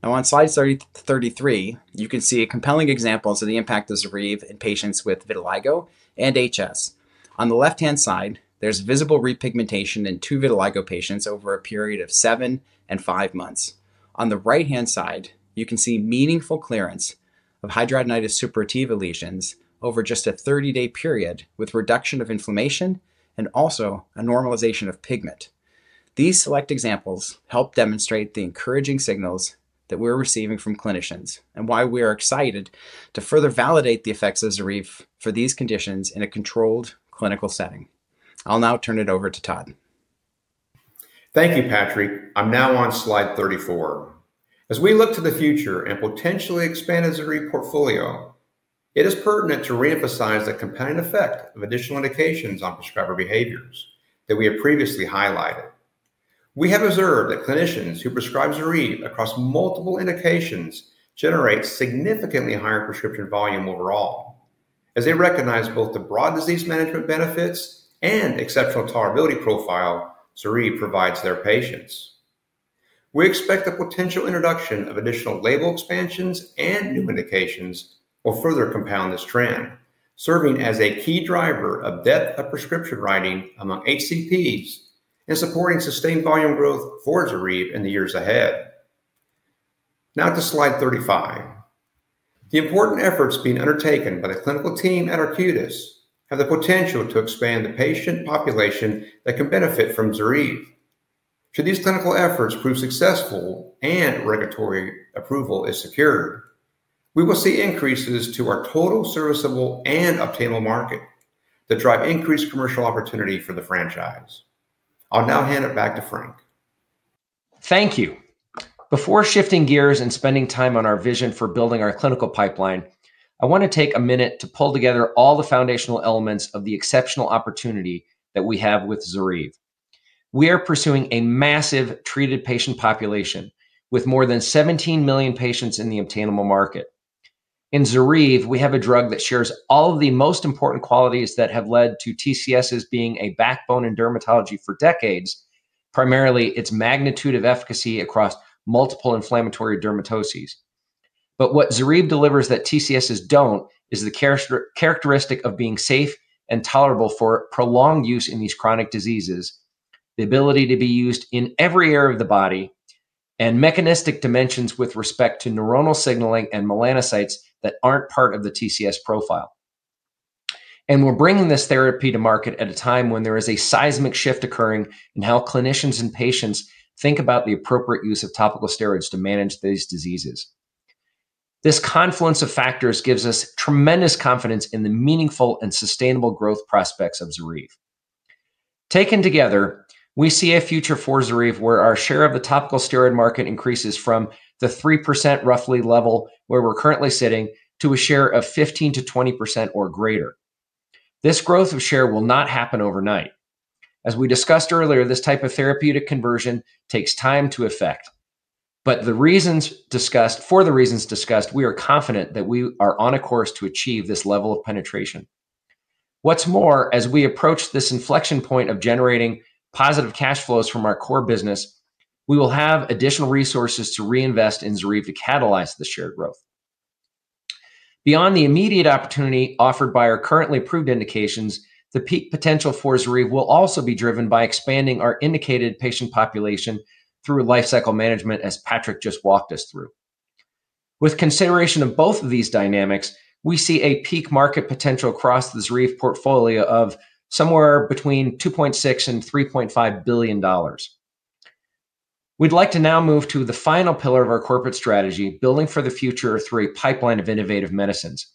Speaker 6: Now, on slide 33, you can see compelling examples of the impact of ZORYVE in patients with vitiligo and HS. On the left-hand side, there's visible repigmentation in two vitiligo patients over a period of seven and five months. On the right-hand side, you can see meaningful clearance of hidradenitis suppurativa lesions over just a 30-day period with reduction of inflammation and also a normalization of pigment. These select examples help demonstrate the encouraging signals that we're receiving from clinicians and why we are excited to further validate the effects of ZORYVE for these conditions in a controlled clinical setting. I'll now turn it over to Todd.
Speaker 4: Thank you, Patrick. I'm now on slide 34. As we look to the future and potentially expand a ZORYVE portfolio, it is pertinent to reemphasize the compelling effect of additional indications on prescriber behaviors that we have previously highlighted. We have observed that clinicians who prescribe ZORYVE across multiple indications generate significantly higher prescription volume overall as they recognize both the broad disease management benefits and exceptional tolerability profile ZORYVE provides their patients. We expect the potential introduction of additional label expansions and new indications will further compound this trend, serving as a key driver of depth of prescription writing among HCPs and supporting sustained volume growth for ZORYVE in the years ahead. Now to slide 35. The important efforts being undertaken by the clinical team at Arcutis have the potential to expand the patient population that can benefit from ZORYVE. Should these clinical efforts prove successful and regulatory approval is secured, we will see increases to our total serviceable and obtainable market that drive increased commercial opportunity for the franchise. I'll now hand it back to Frank.
Speaker 3: Thank you. Before shifting gears and spending time on our vision for building our clinical pipeline, I want to take a minute to pull together all the foundational elements of the exceptional opportunity that we have with ZORYVE. We are pursuing a massive treated patient population with more than 17 million patients in the obtainable market. In ZORYVE, we have a drug that shares all of the most important qualities that have led to TCS being a backbone in dermatology for decades, primarily its magnitude of efficacy across multiple inflammatory dermatoses. What ZORYVE delivers that TCS do not is the characteristic of being safe and tolerable for prolonged use in these chronic diseases, the ability to be used in every area of the body, and mechanistic dimensions with respect to neuronal signaling and melanocytes that are not part of the TCS profile. We are bringing this therapy to market at a time when there is a seismic shift occurring in how clinicians and patients think about the appropriate use of topical steroids to manage these diseases. This confluence of factors gives us tremendous confidence in the meaningful and sustainable growth prospects of ZORYVE. Taken together, we see a future for ZORYVE where our share of the topical steroid market increases from the 3% roughly level where we are currently sitting to a share of 15%-20% or greater. This growth of share will not happen overnight. As we discussed earlier, this type of therapeutic conversion takes time to effect. For the reasons discussed, we are confident that we are on a course to achieve this level of penetration. What's more, as we approach this inflection point of generating positive cash flows from our core business, we will have additional resources to reinvest in ZORYVE to catalyze the shared growth. Beyond the immediate opportunity offered by our currently approved indications, the peak potential for ZORYVE will also be driven by expanding our indicated patient population through lifecycle management, as Patrick just walked us through. With consideration of both of these dynamics, we see a peak market potential across the ZORYVE portfolio of somewhere between $2.6 billion and $3.5 billion. We'd like to now move to the final pillar of our corporate strategy, building for the future through a pipeline of innovative medicines.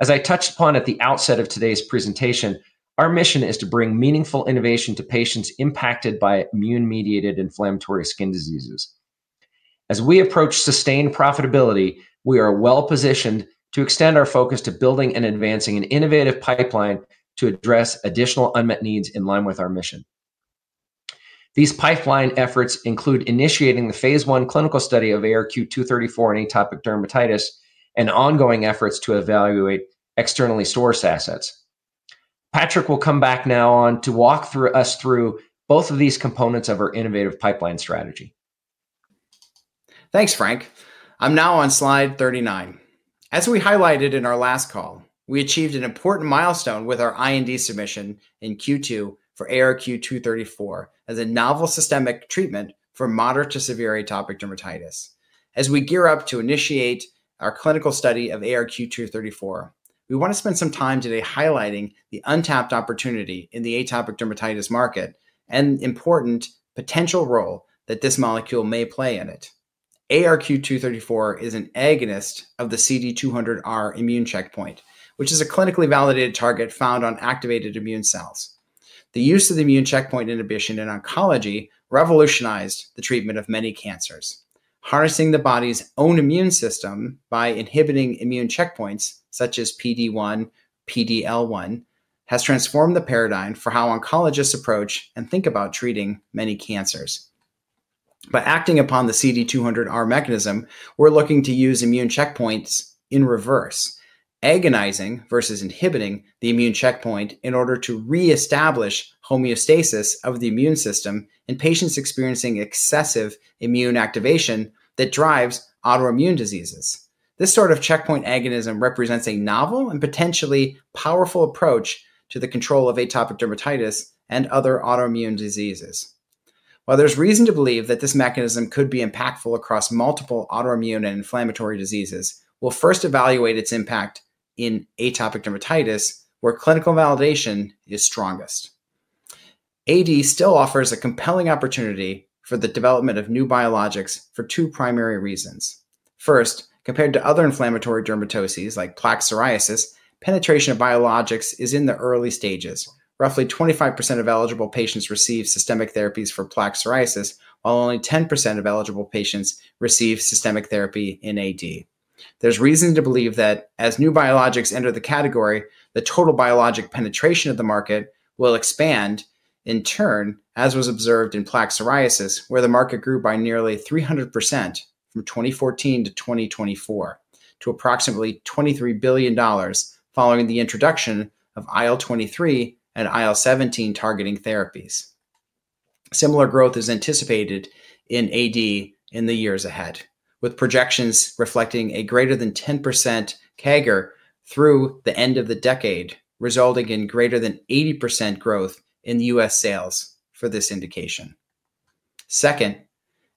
Speaker 3: As I touched upon at the outset of today's presentation, our mission is to bring meaningful innovation to patients impacted by immune-mediated inflammatory skin diseases. As we approach sustained profitability, we are well positioned to extend our focus to building and advancing an innovative pipeline to address additional unmet needs in line with our mission. These pipeline efforts include initiating the phase I clinical study of ARQ-234 in atopic dermatitis and ongoing efforts to evaluate externally sourced assets. Patrick will come back now to walk us through both of these components of our innovative pipeline strategy.
Speaker 6: Thanks, Frank. I'm now on slide 39. As we highlighted in our last call, we achieved an important milestone with our IND submission in Q2 for ARQ-234 as a novel systemic treatment for moderate to severe atopic dermatitis. As we gear up to initiate our clinical study of ARQ-234, we want to spend some time today highlighting the untapped opportunity in the atopic dermatitis market and the important potential role that this molecule may play in it. ARQ-234 is an agonist of the CD200R immune checkpoint, which is a clinically validated target found on activated immune cells. The use of immune checkpoint inhibition in oncology revolutionized the treatment of many cancers. Harnessing the body's own immune system by inhibiting immune checkpoints, such as PD-1, PD-L1, has transformed the paradigm for how oncologists approach and think about treating many cancers. By acting upon the CD200R mechanism, we're looking to use immune checkpoints in reverse, agonizing versus inhibiting the immune checkpoint in order to reestablish homeostasis of the immune system in patients experiencing excessive immune activation that drives autoimmune diseases. This sort of checkpoint agonism represents a novel and potentially powerful approach to the control of atopic dermatitis and other autoimmune diseases. While there's reason to believe that this mechanism could be impactful across multiple autoimmune and inflammatory diseases, we'll first evaluate its impact in atopic dermatitis, where clinical validation is strongest. AD still offers a compelling opportunity for the development of new biologics for two primary reasons. First, compared to other inflammatory dermatoses like plaque psoriasis, penetration of biologics is in the early stages. Roughly 25% of eligible patients receive systemic therapies for plaque psoriasis, while only 10% of eligible patients receive systemic therapy in AD. There's reason to believe that as new biologics enter the category, the total biologic penetration of the market will expand in turn, as was observed in plaque psoriasis, where the market grew by nearly 300% from 2014 to 2024, to approximately $23 billion following the introduction of IL-23 and IL-17 targeting therapies. Similar growth is anticipated in AD in the years ahead, with projections reflecting a greater than 10% CAGR through the end of the decade, resulting in greater than 80% growth in the U.S. sales for this indication. Second,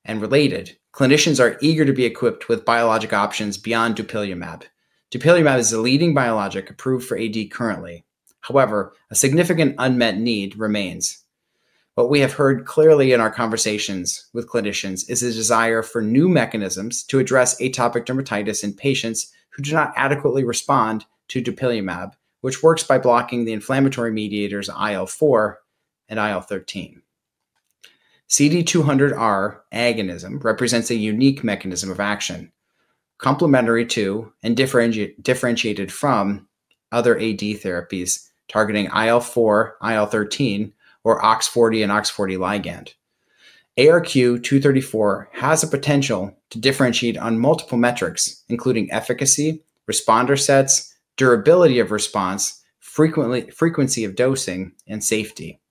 Speaker 6: and related, clinicians are eager to be equipped with biologic options beyond dupilumab. Dupilumab is the leading biologic approved for AD currently. However, a significant unmet need remains. What we have heard clearly in our conversations with clinicians is a desire for new mechanisms to address atopic dermatitis in patients who do not adequately respond to dupilumab, which works by blocking the inflammatory mediators IL-4 and IL-13. CD200R agonism represents a unique Mechanism of Action, complementary to and differentiated from other atopic dermatitis therapies targeting IL-4, IL-13, or 0X40 and 0X40 ligand. ARQ-234 has the potential to differentiate on multiple metrics, including efficacy, responder sets, durability of response, frequency of dosing, and safety.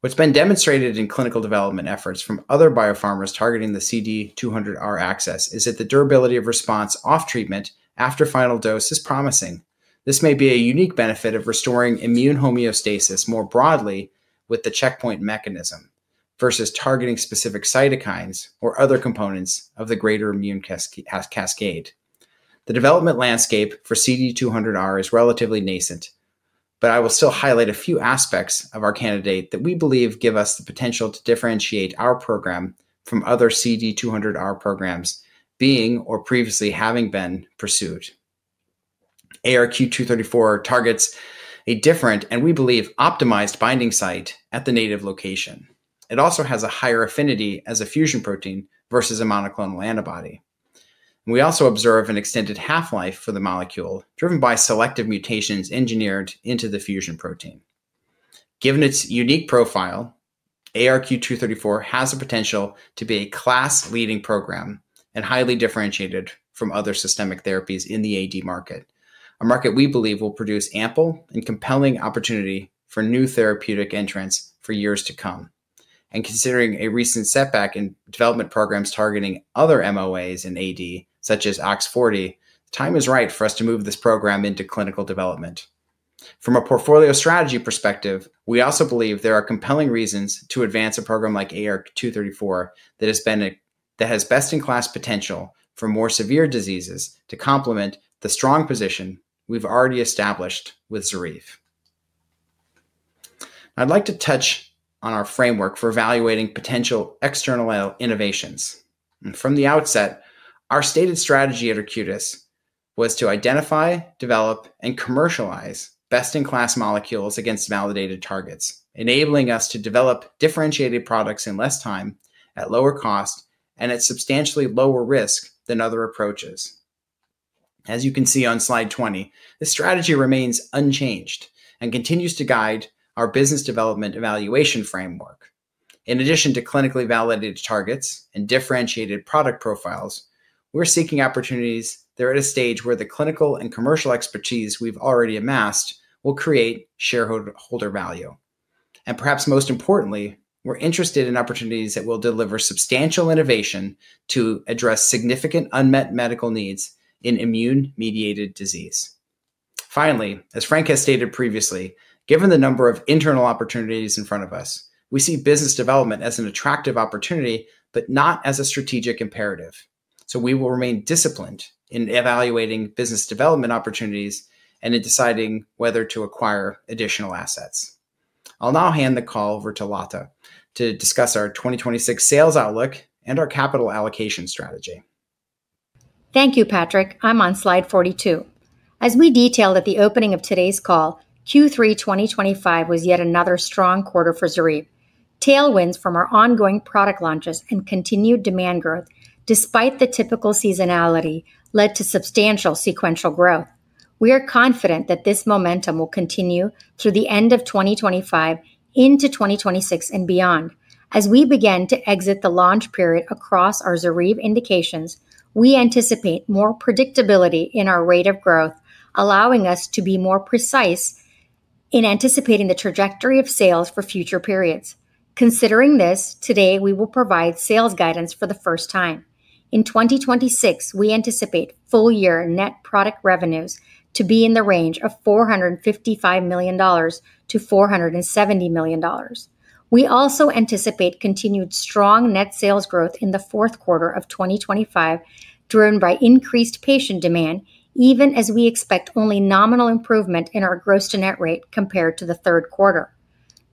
Speaker 6: What's been demonstrated in clinical development efforts from other biopharmaceuticals targeting the CD200R axis is that the durability of response off treatment after final dose is promising. This may be a unique benefit of restoring immune homeostasis more broadly with the checkpoint mechanism versus targeting specific cytokines or other components of the greater immune cascade. The development landscape for CD200R is relatively nascent, but I will still highlight a few aspects of our candidate that we believe give us the potential to differentiate our program from other CD200R programs being or previously having been pursued. ARQ-234 targets a different, and we believe, optimized binding site at the native location. It also has a higher affinity as a fusion protein versus a monoclonal antibody. We also observe an extended half-life for the molecule, driven by selective mutations engineered into the fusion protein. Given its unique profile, ARQ-234 has the potential to be a class-leading program and highly differentiated from other systemic therapies in the AD market, a market we believe will produce ample and compelling opportunity for new therapeutic entrants for years to come. Considering a recent setback in development programs targeting other MOAs in AD, such as 0X40, the time is right for us to move this program into clinical development. From a portfolio strategy perspective, we also believe there are compelling reasons to advance a program like ARQ-234 that has best-in-class potential for more severe diseases to complement the strong position we've already established with ZORYVE. I'd like to touch on our framework for evaluating potential external innovations. From the outset, our stated strategy at Arcutis was to identify, develop, and commercialize best-in-class molecules against validated targets, enabling us to develop differentiated products in less time, at lower cost, and at substantially lower risk than other approaches. As you can see on slide 20, the strategy remains unchanged and continues to guide our business development evaluation framework. In addition to clinically validated targets and differentiated product profiles, we're seeking opportunities that are at a stage where the clinical and commercial expertise we've already amassed will create shareholder value. Perhaps most importantly, we're interested in opportunities that will deliver substantial innovation to address significant unmet medical needs in immune-mediated disease. Finally, as Frank has stated previously, given the number of internal opportunities in front of us, we see business development as an attractive opportunity, not as a strategic imperative. We will remain disciplined in evaluating business development opportunities and in deciding whether to acquire additional assets. I'll now hand the call over to Latha to discuss our 2026 sales outlook and our capital allocation strategy.
Speaker 5: Thank you, Patrick. I'm on slide 42. As we detailed at the opening of today's call, Q3 2025 was yet another strong quarter for ZORYVE. Tailwinds from our ongoing product launches and continued demand growth, despite the typical seasonality, led to substantial sequential growth. We are confident that this momentum will continue through the end of 2025 into 2026 and beyond. As we begin to exit the launch period across our ZORYVE indications, we anticipate more predictability in our rate of growth, allowing us to be more precise in anticipating the trajectory of sales for future periods. Considering this, today we will provide sales guidance for the first time. In 2026, we anticipate full-year net product revenues to be in the range of $455 million-$470 million. We also anticipate continued strong net sales growth in the fourth quarter of 2025, driven by increased patient demand, even as we expect only nominal improvement in our gross-to-net rate compared to the third quarter.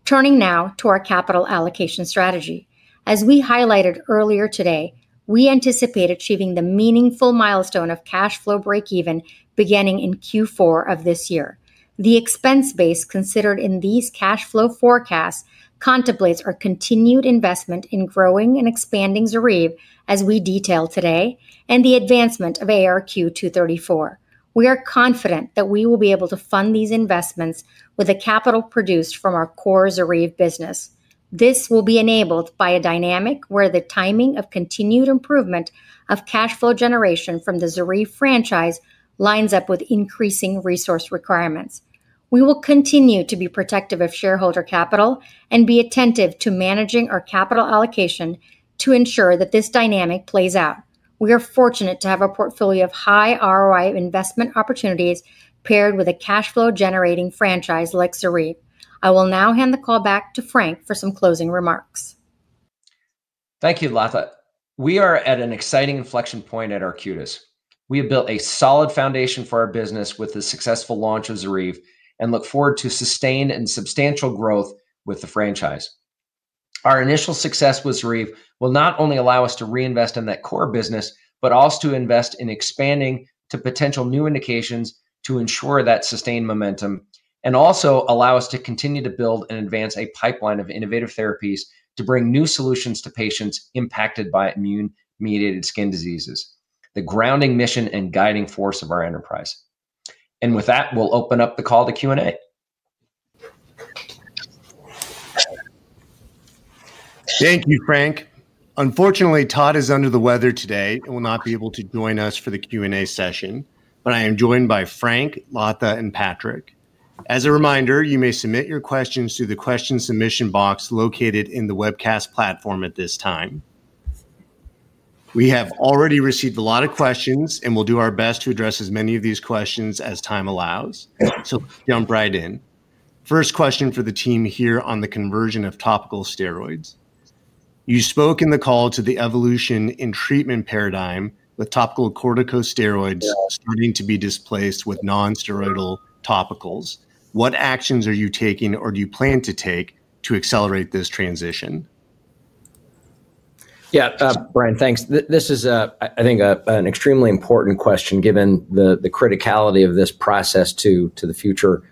Speaker 5: Turning now to our Capital Allocation strategy. As we highlighted earlier today, we anticipate achieving the meaningful milestone of cash flow breakeven beginning in Q4 of this year. The expense base considered in these cash flow forecasts contemplates our continued investment in growing and expanding ZORYVE, as we detailed today, and the advancement of ARQ-234. We are confident that we will be able to fund these investments with the capital produced from our core ZORYVE business. This will be enabled by a dynamic where the timing of continued improvement of cash flow generation from the ZORYVE franchise lines up with increasing resource requirements. We will continue to be protective of shareholder capital and be attentive to managing our capital allocation to ensure that this dynamic plays out. We are fortunate to have a portfolio of high ROI investment opportunities paired with a cash flow-generating franchise like ZORYVE. I will now hand the call back to Frank for some closing remarks.
Speaker 3: Thank you, Latha. We are at an exciting inflection point at Arcutis. We have built a solid foundation for our business with the successful launch of ZORYVE and look forward to sustained and substantial growth with the franchise. Our initial success with ZORYVE will not only allow us to reinvest in that core business, but also to invest in expanding to potential new indications to ensure that sustained momentum and also allow us to continue to build and advance a pipeline of innovative therapies to bring new solutions to patients impacted by immune-mediated skin diseases, the grounding mission and guiding force of our enterprise. With that, we'll open up the call to Q&A.
Speaker 2: Thank you, Frank. Unfortunately, Todd is under the weather today and will not be able to join us for the Q&A session, but I am joined by Frank, Latha, and Patrick. As a reminder, you may submit your questions through the question submission box located in the webcast platform at this time. We have already received a lot of questions, and we'll do our best to address as many of these questions as time allows. Let's jump right in. First question for the team here on the conversion of topical steroids. You spoke in the call to the evolution in treatment paradigm with topical corticosteroids starting to be displaced with nonsteroidal topicals. What actions are you taking or do you plan to take to accelerate this transition?
Speaker 3: Yeah, Brian, thanks. This is, I think, an extremely important question given the criticality of this process to the future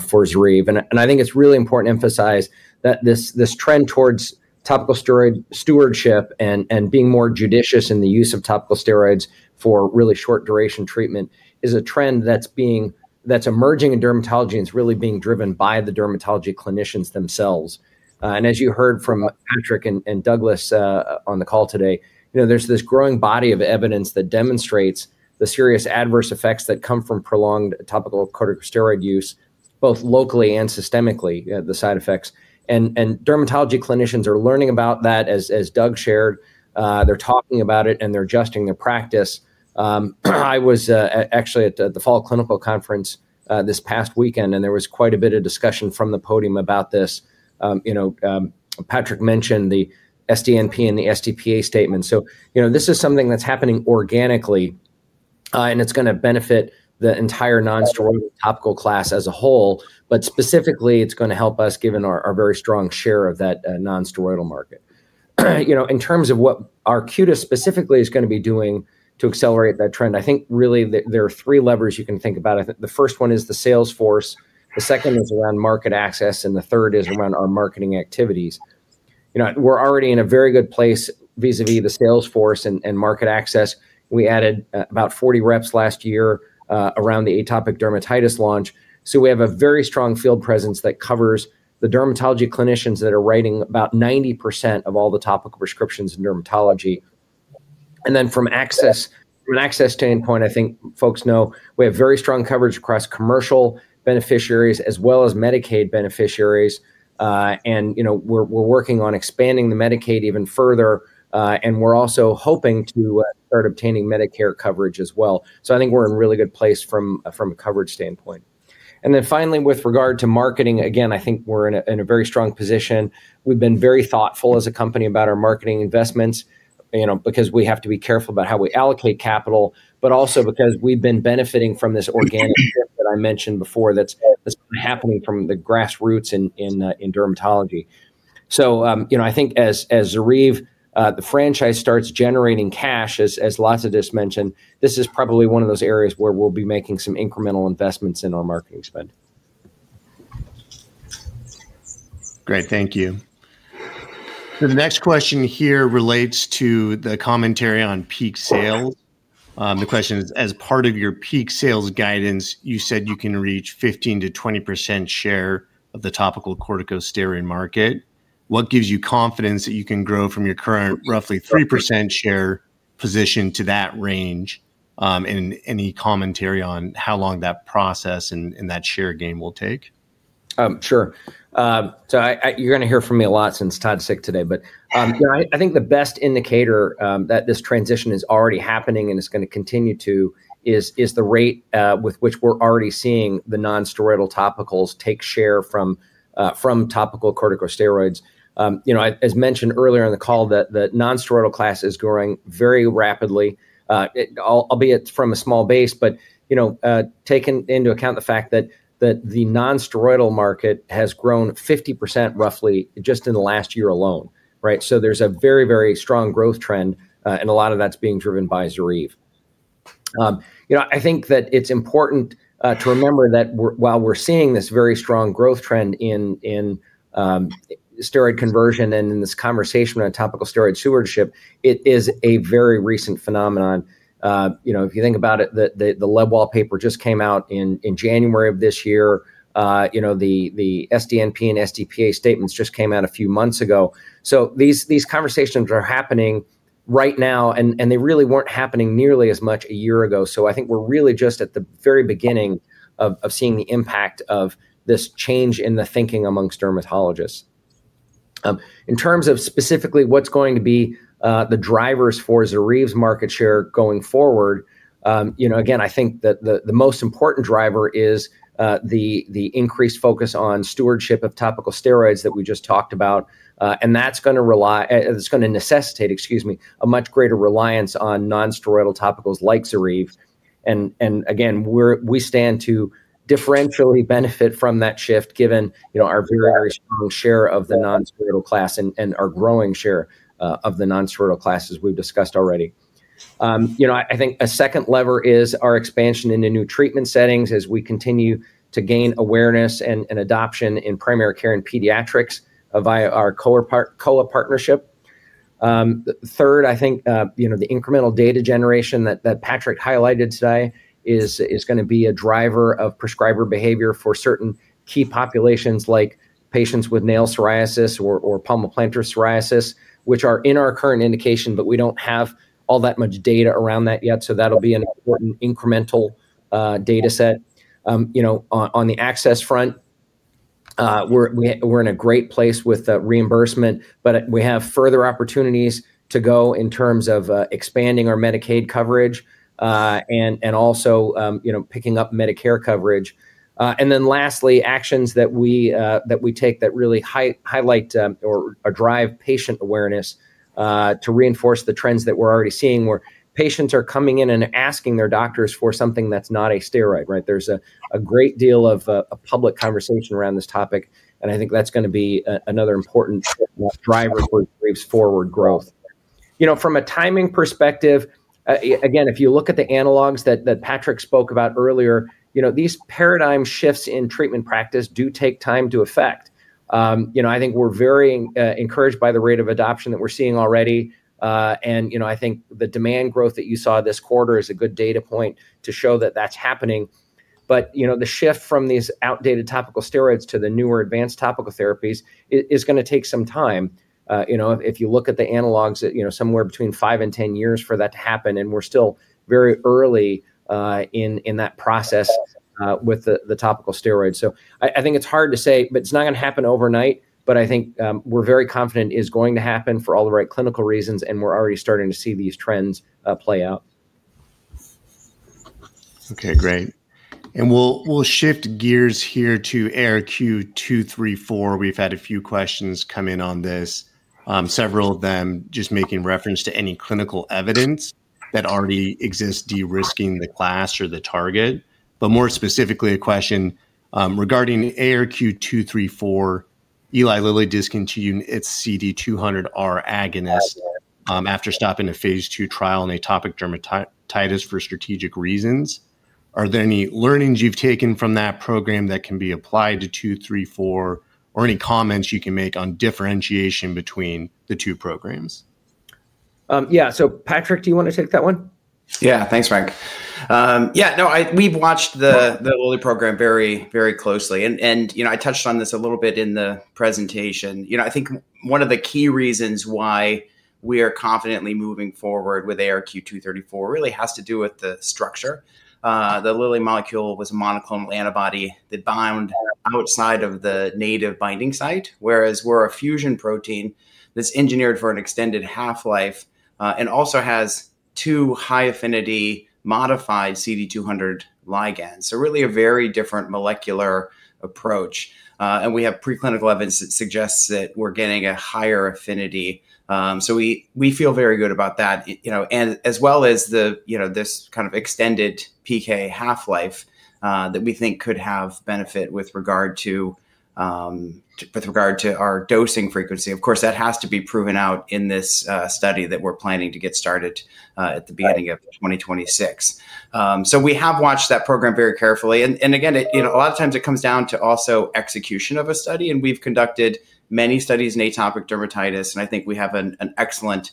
Speaker 3: for ZORYVE. I think it's really important to emphasize that this trend towards topical steroid stewardship and being more judicious in the use of topical steroids for really short-duration treatment is a trend that's emerging in dermatology, and it's really being driven by the dermatology clinicians themselves. As you heard from Patrick and Douglas on the call today, there's this growing body of evidence that demonstrates the serious adverse effects that come from prolonged topical corticosteroid use, both locally and systemically, the side effects. Dermatology clinicians are learning about that. As Doug shared, they're talking about it, and they're adjusting their practice. I was actually at the Fall Clinical Conference this past weekend, and there was quite a bit of discussion from the podium about this. Patrick mentioned the SDNP and the SDPA statement. This is something that's happening organically, and it's going to benefit the entire nonsteroidal topical class as a whole. Specifically, it's going to help us given our very strong share of that nonsteroidal market. In terms of what Arcutis specifically is going to be doing to accelerate that trend, I think really there are three levers you can think about. The first one is the sales force. The second is around market access, and the third is around our marketing activities. We're already in a very good place vis-à-vis the sales force and market access. We added about 40 reps last year around the atopic dermatitis launch. We have a very strong field presence that covers the dermatology clinicians that are writing about 90% of all the topical prescriptions in dermatology. From an access standpoint, I think folks know we have very strong coverage across commercial beneficiaries as well as Medicaid beneficiaries. We're working on expanding the Medicaid even further. We're also hoping to start obtaining Medicare coverage as well. I think we're in a really good place from a coverage standpoint. Finally, with regard to marketing, again, I think we're in a very strong position. We've been very thoughtful as a company about our marketing investments because we have to be careful about how we allocate capital, but also because we've been benefiting from this organic shift that I mentioned before that's happening from the grassroots in dermatology. I think as ZORYVE, the franchise starts generating cash, as Latha just mentioned, this is probably one of those areas where we'll be making some incremental investments in our marketing spend.
Speaker 2: Great, thank you. The next question here relates to the commentary on peak sales. The question is, as part of your peak sales guidance, you said you can reach 15%-20% share of the topical corticosteroid market. What gives you confidence that you can grow from your current roughly 3% share position to that range? Any commentary on how long that process and that share gain will take?
Speaker 3: Sure. You're going to hear from me a lot since Todd's sick today. I think the best indicator that this transition is already happening and is going to continue to is the rate with which we're already seeing the nonsteroidal topicals take share from topical corticosteroids. As mentioned earlier in the call, the nonsteroidal class is growing very rapidly, albeit from a small base. Taking into account the fact that the nonsteroidal market has grown 50% roughly just in the last year alone, there's a very, very strong growth trend, and a lot of that's being driven by ZORYVE. I think that it's important to remember that while we're seeing this very strong growth trend in steroid conversion and in this conversation around topical steroid stewardship, it is a very recent phenomenon. If you think about it, the lead wallpaper just came out in January of this year. The SDNP and SDPA statements just came out a few months ago. These conversations are happening right now, and they really weren't happening nearly as much a year ago. I think we're really just at the very beginning of seeing the impact of this change in the thinking amongst dermatologists. In terms of specifically what's going to be the drivers for ZORYVE's market share going forward, again, I think that the most important driver is the increased focus on stewardship of topical steroids that we just talked about. That's going to necessitate, excuse me, a much greater reliance on nonsteroidal topicals like ZORYVE. Again, we stand to differentially benefit from that shift given our very, very strong share of the nonsteroidal class and our growing share of the nonsteroidal class, as we've discussed already. I think a second lever is our expansion into new treatment settings as we continue to gain awareness and adoption in primary care and pediatrics via our COLA partnership. Third, I think the incremental data generation that Patrick highlighted today is going to be a driver of prescriber behavior for certain key populations like patients with nail psoriasis or palmar plantar psoriasis, which are in our current indication, but we don't have all that much data around that yet. That'll be an important incremental data set. On the access front, we're in a great place with reimbursement, but we have further opportunities to go in terms of expanding our Medicaid coverage and also picking up Medicare coverage. Lastly, actions that we take really highlight or drive patient awareness to reinforce the trends that we're already seeing, where patients are coming in and asking their doctors for something that's not a steroid. There's a great deal of public conversation around this topic, and I think that's going to be another important driver for forward growth. From a timing perspective, again, if you look at the analogs that Patrick spoke about earlier, these paradigm shifts in treatment practice do take time to effect. I think we're very encouraged by the rate of adoption that we're seeing already. I think the demand growth that you saw this quarter is a good data point to show that that's happening. The shift from these outdated topical steroids to the newer advanced topical therapies is going to take some time. If you look at the analogs, somewhere between five and 10 years for that to happen, and we're still very early in that process with the topical steroids. I think it's hard to say, but it's not going to happen overnight. I think we're very confident it is going to happen for all the right clinical reasons, and we're already starting to see these trends play out.
Speaker 2: OK, great. We'll shift gears here to ARQ-234. We've had a few questions come in on this, several of them just making reference to any clinical evidence that already exists de-risking the class or the target. More specifically, a question regarding ARQ-234. Eli Lilly discontinued its CD200R agonist after stopping a phase II trial in atopic dermatitis for strategic reasons. Are there any learnings you've taken from that program that can be applied to 234 or any comments you can make on differentiation between the two programs?
Speaker 3: Yeah, so Patrick, do you want to take that one?
Speaker 6: Yeah. Thanks, Frank. Yeah, no, we've watched the Lilly program very closely. I touched on this a little bit in the presentation. I think one of the key reasons why we are confidently moving forward with ARQ-234 really has to do with the structure. The Lilly molecule was a monoclonal antibody that bound outside of the native binding site, whereas we're a fusion protein that's engineered for an extended half-life and also has two high-affinity modified CD200 ligands. Really a very different molecular approach. We have preclinical evidence that suggests that we're getting a higher affinity. We feel very good about that, as well as this kind of extended PK half-life that we think could have benefit with regard to our dosing frequency. Of course, that has to be proven out in this study that we're planning to get started at the beginning of 2026. We have watched that program very carefully. A lot of times it comes down to also execution of a study. We've conducted many studies in atopic dermatitis. I think we have an excellent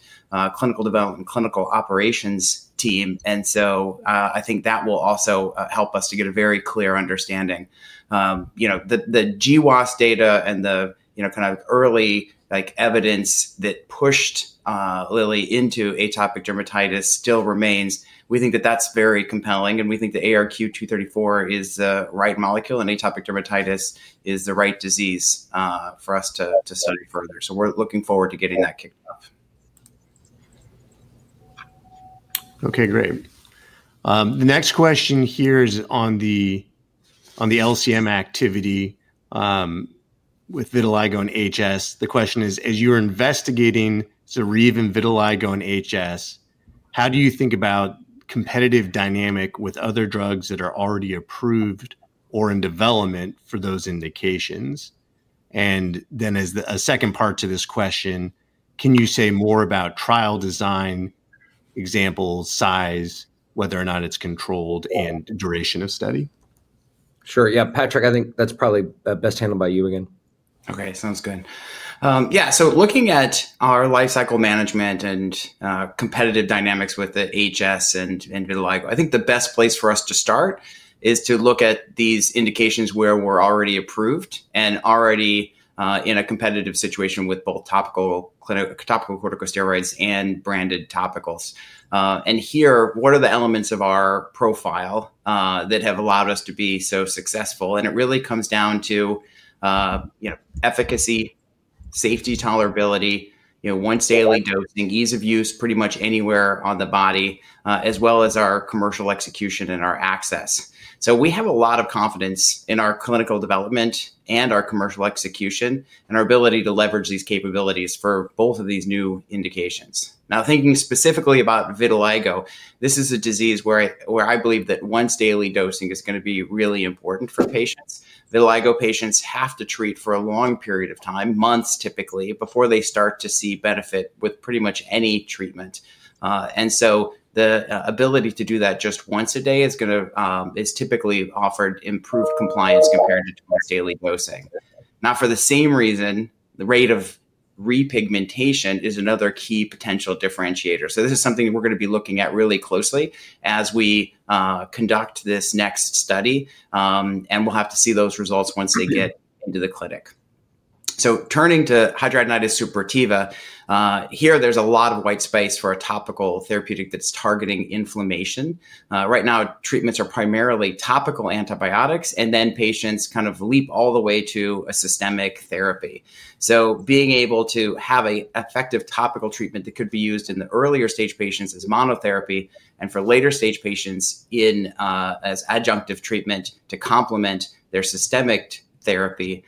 Speaker 6: clinical development and clinical operations team. I think that will also help us to get a very clear understanding. The GWAS data and the kind of early evidence that pushed Lilly into atopic dermatitis still remains. We think that that's very compelling. We think that ARQ-234 is the right molecule, and atopic dermatitis is the right disease for us to study further. We're looking forward to getting that kicked up.
Speaker 2: OK, great. The next question here is on the LCM activity with vitiligo and HS. The question is, as you're investigating ZORYVE in vitiligo and HS, how do you think about the competitive dynamic with other drugs that are already approved or in development for those indications? As a second part to this question, can you say more about trial design, for example, size, whether or not it's controlled, and duration of study?
Speaker 3: Sure. Yeah, Patrick, I think that's probably best handled by you again.
Speaker 6: OK, sounds good. Yeah, looking at our lifecycle management and competitive dynamics with HS and vitiligo, I think the best place for us to start is to look at these indications where we're already approved and already in a competitive situation with both topical corticosteroids and branded topicals. Here, what are the elements of our profile that have allowed us to be so successful? It really comes down to efficacy, safety, tolerability, once daily dosing, ease of use pretty much anywhere on the body, as well as our commercial execution and our access. We have a lot of confidence in our clinical development and our commercial execution and our ability to leverage these capabilities for both of these new indications. Now, thinking specifically about vitiligo, this is a disease where I believe that once daily dosing is going to be really important for patients. Vitiligo patients have to treat for a long period of time, months typically, before they start to see benefit with pretty much any treatment. The ability to do that just once a day has typically offered improved compliance compared to twice daily dosing. For the same reason, the rate of repigmentation is another key potential differentiator. This is something that we're going to be looking at really closely as we conduct this next study. We'll have to see those results once they get into the clinic. Turning to hidradenitis suppurativa, there's a lot of white space for a topical therapeutic that's targeting inflammation. Right now, treatments are primarily topical antibiotics, and then patients leap all the way to a systemic therapy. Being able to have an effective topical treatment that could be used in the earlier stage patients as monotherapy and for later stage patients as adjunctive treatment to complement their systemic therapy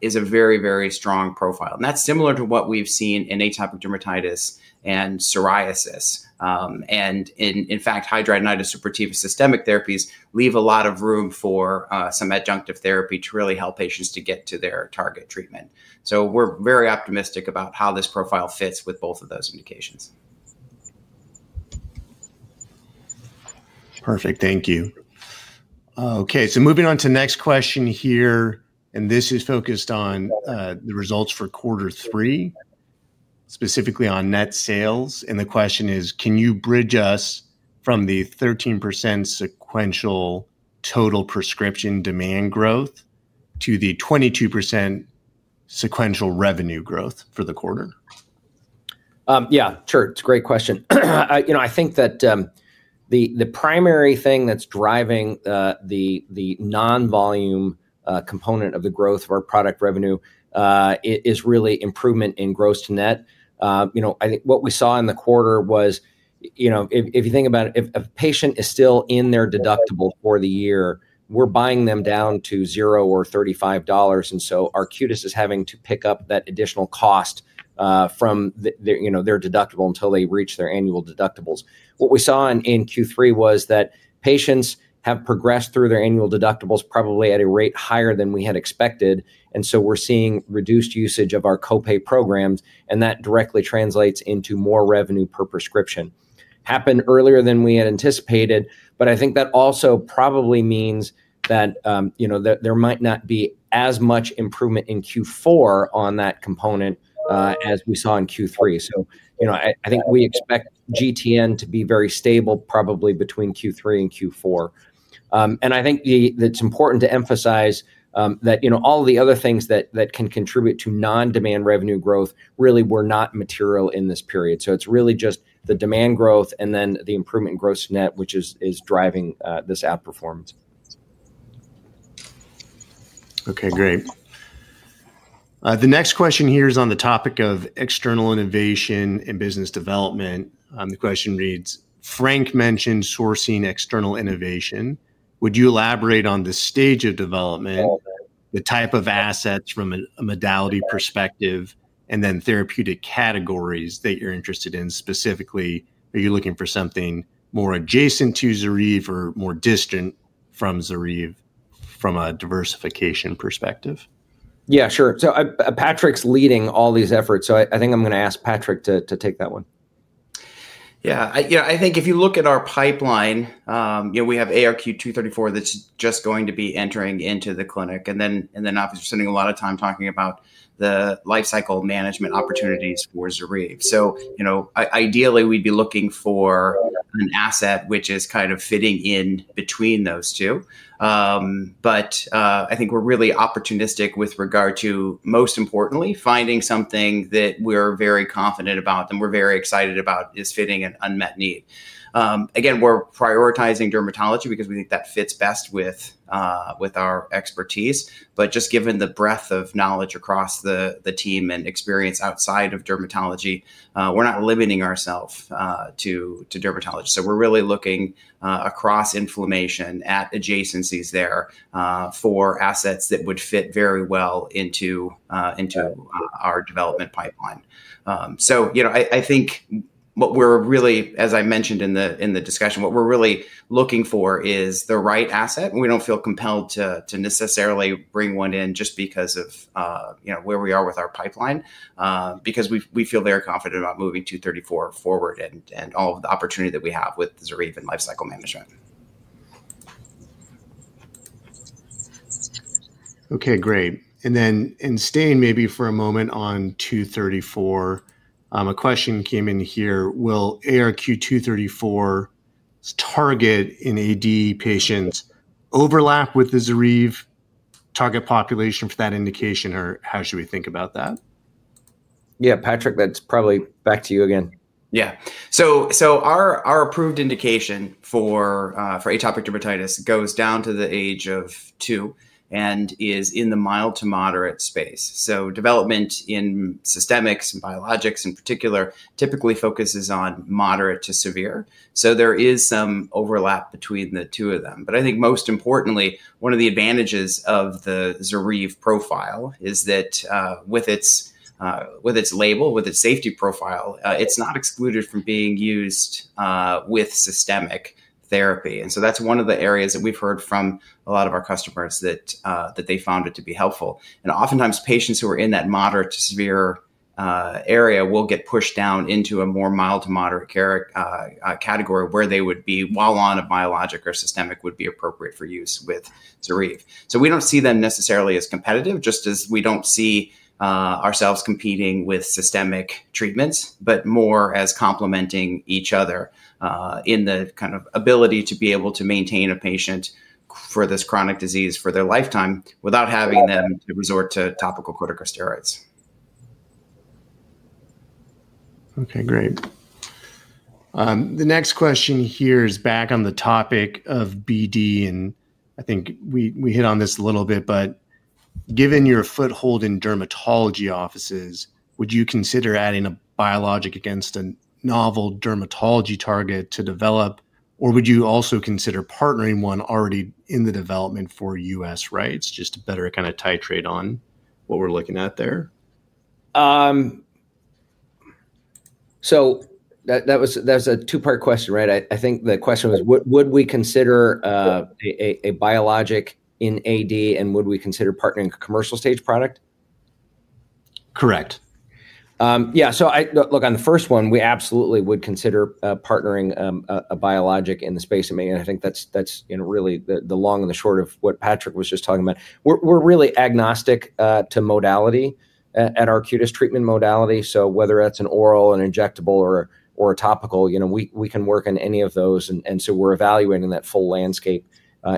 Speaker 6: is a very, very strong profile. That's similar to what we've seen in atopic dermatitis and psoriasis. In fact, hidradenitis suppurativa systemic therapies leave a lot of room for some adjunctive therapy to really help patients to get to their target treatment. We're very optimistic about how this profile fits with both of those indications.
Speaker 2: Perfect, thank you. OK, moving on to the next question here. This is focused on the results for quarter three, specifically on net sales. The question is, can you bridge us from the 13% sequential total prescription demand growth to the 22% sequential revenue growth for the quarter?
Speaker 3: Yeah, sure, it's a great question. I think that the primary thing that's driving the non-volume component of the growth of our product revenue is really improvement in gross-to-net. I think what we saw in the quarter was, if you think about it, if a patient is still in their deductible for the year, we're buying them down to $0 or $35. Arcutis is having to pick up that additional cost from their deductible until they reach their annual deductibles. What we saw in Q3 was that patients have progressed through their annual deductibles probably at a rate higher than we had expected. We're seeing reduced usage of our copay programs, and that directly translates into more revenue per prescription. It happened earlier than we had anticipated. I think that also probably means that there might not be as much improvement in Q4 on that component as we saw in Q3. We expect GTN to be very stable probably between Q3 and Q4. I think it's important to emphasize that all of the other things that can contribute to non-demand revenue growth really were not material in this period. It's really just the demand growth and then the improvement in gross-to-net, which is driving this outperformance.
Speaker 2: OK, great. The next question here is on the topic of external innovation and business development. The question reads, Frank mentioned sourcing external innovation. Would you elaborate on the stage of development, the type of assets from a modality perspective, and then therapeutic categories that you're interested in specifically? Are you looking for something more adjacent to ZORYVE or more distant from ZORYVE from a diversification perspective?
Speaker 3: Yeah, sure. Patrick's leading all these efforts. I think I'm going to ask Patrick to take that one.
Speaker 6: I think if you look at our pipeline, we have ARQ-234 that's just going to be entering into the clinic. Obviously, spending a lot of time talking about the lifecycle management opportunities for ZORYVE. Ideally, we'd be looking for an asset which is kind of fitting in between those two. I think we're really opportunistic with regard to, most importantly, finding something that we're very confident about and we're very excited about is fitting an unmet need. Again, we're prioritizing dermatology because we think that fits best with our expertise. Just given the breadth of knowledge across the team and experience outside of dermatology, we're not limiting ourselves to dermatology. We're really looking across inflammation at adjacencies there for assets that would fit very well into our development pipeline. I think what we're really, as I mentioned in the discussion, what we're really looking for is the right asset. We don't feel compelled to necessarily bring one in just because of where we are with our pipeline, because we feel very confident about moving 234 forward and all of the opportunity that we have with ZORYVE and lifecycle management.
Speaker 2: OK, great. Staying maybe for a moment on 234, a question came in here. Will ARQ-234 target in AD patients overlap with the ZORYVE target population for that indication? How should we think about that?
Speaker 3: Patrick, that's probably back to you again.
Speaker 6: Our approved indication for atopic dermatitis goes down to the age of two and is in the mild-to-moderate space. Development in systemics and biologics in particular typically focuses on moderate to severe. There is some overlap between the two of them. I think most importantly, one of the advantages of the ZORYVE profile is that with its label, with its safety profile, it's not excluded from being used with systemic therapy. That's one of the areas that we've heard from a lot of our customers that they found it to be helpful. Oftentimes, patients who are in that moderate to severe area will get pushed down into a more mild-to-moderate category where they would be, while on a biologic or systemic, appropriate for use with ZORYVE. We don't see them necessarily as competitive, just as we don't see ourselves competing with systemic treatments, but more as complementing each other in the ability to be able to maintain a patient for this chronic disease for their lifetime without having them resort to topical corticosteroids.
Speaker 2: OK, great. The next question here is back on the topic of BD. I think we hit on this a little bit. Given your foothold in dermatology offices, would you consider adding a biologic against a novel dermatology target to develop? Would you also consider partnering one already in development for U.S. rights, just to better kind of titrate on what we're looking at there?
Speaker 3: That was a two-part question. I think the question was, would we consider a biologic in AD, and would we consider partnering a commercial stage product?
Speaker 2: Correct.
Speaker 3: Yeah, so look, on the first one, we absolutely would consider partnering a biologic in the space of me. I think that's really the long and the short of what Patrick was just talking about. We're really agnostic to modality at Arcutis treatment modality. Whether that's an oral, an injectable, or a topical, we can work on any of those. We're evaluating that full landscape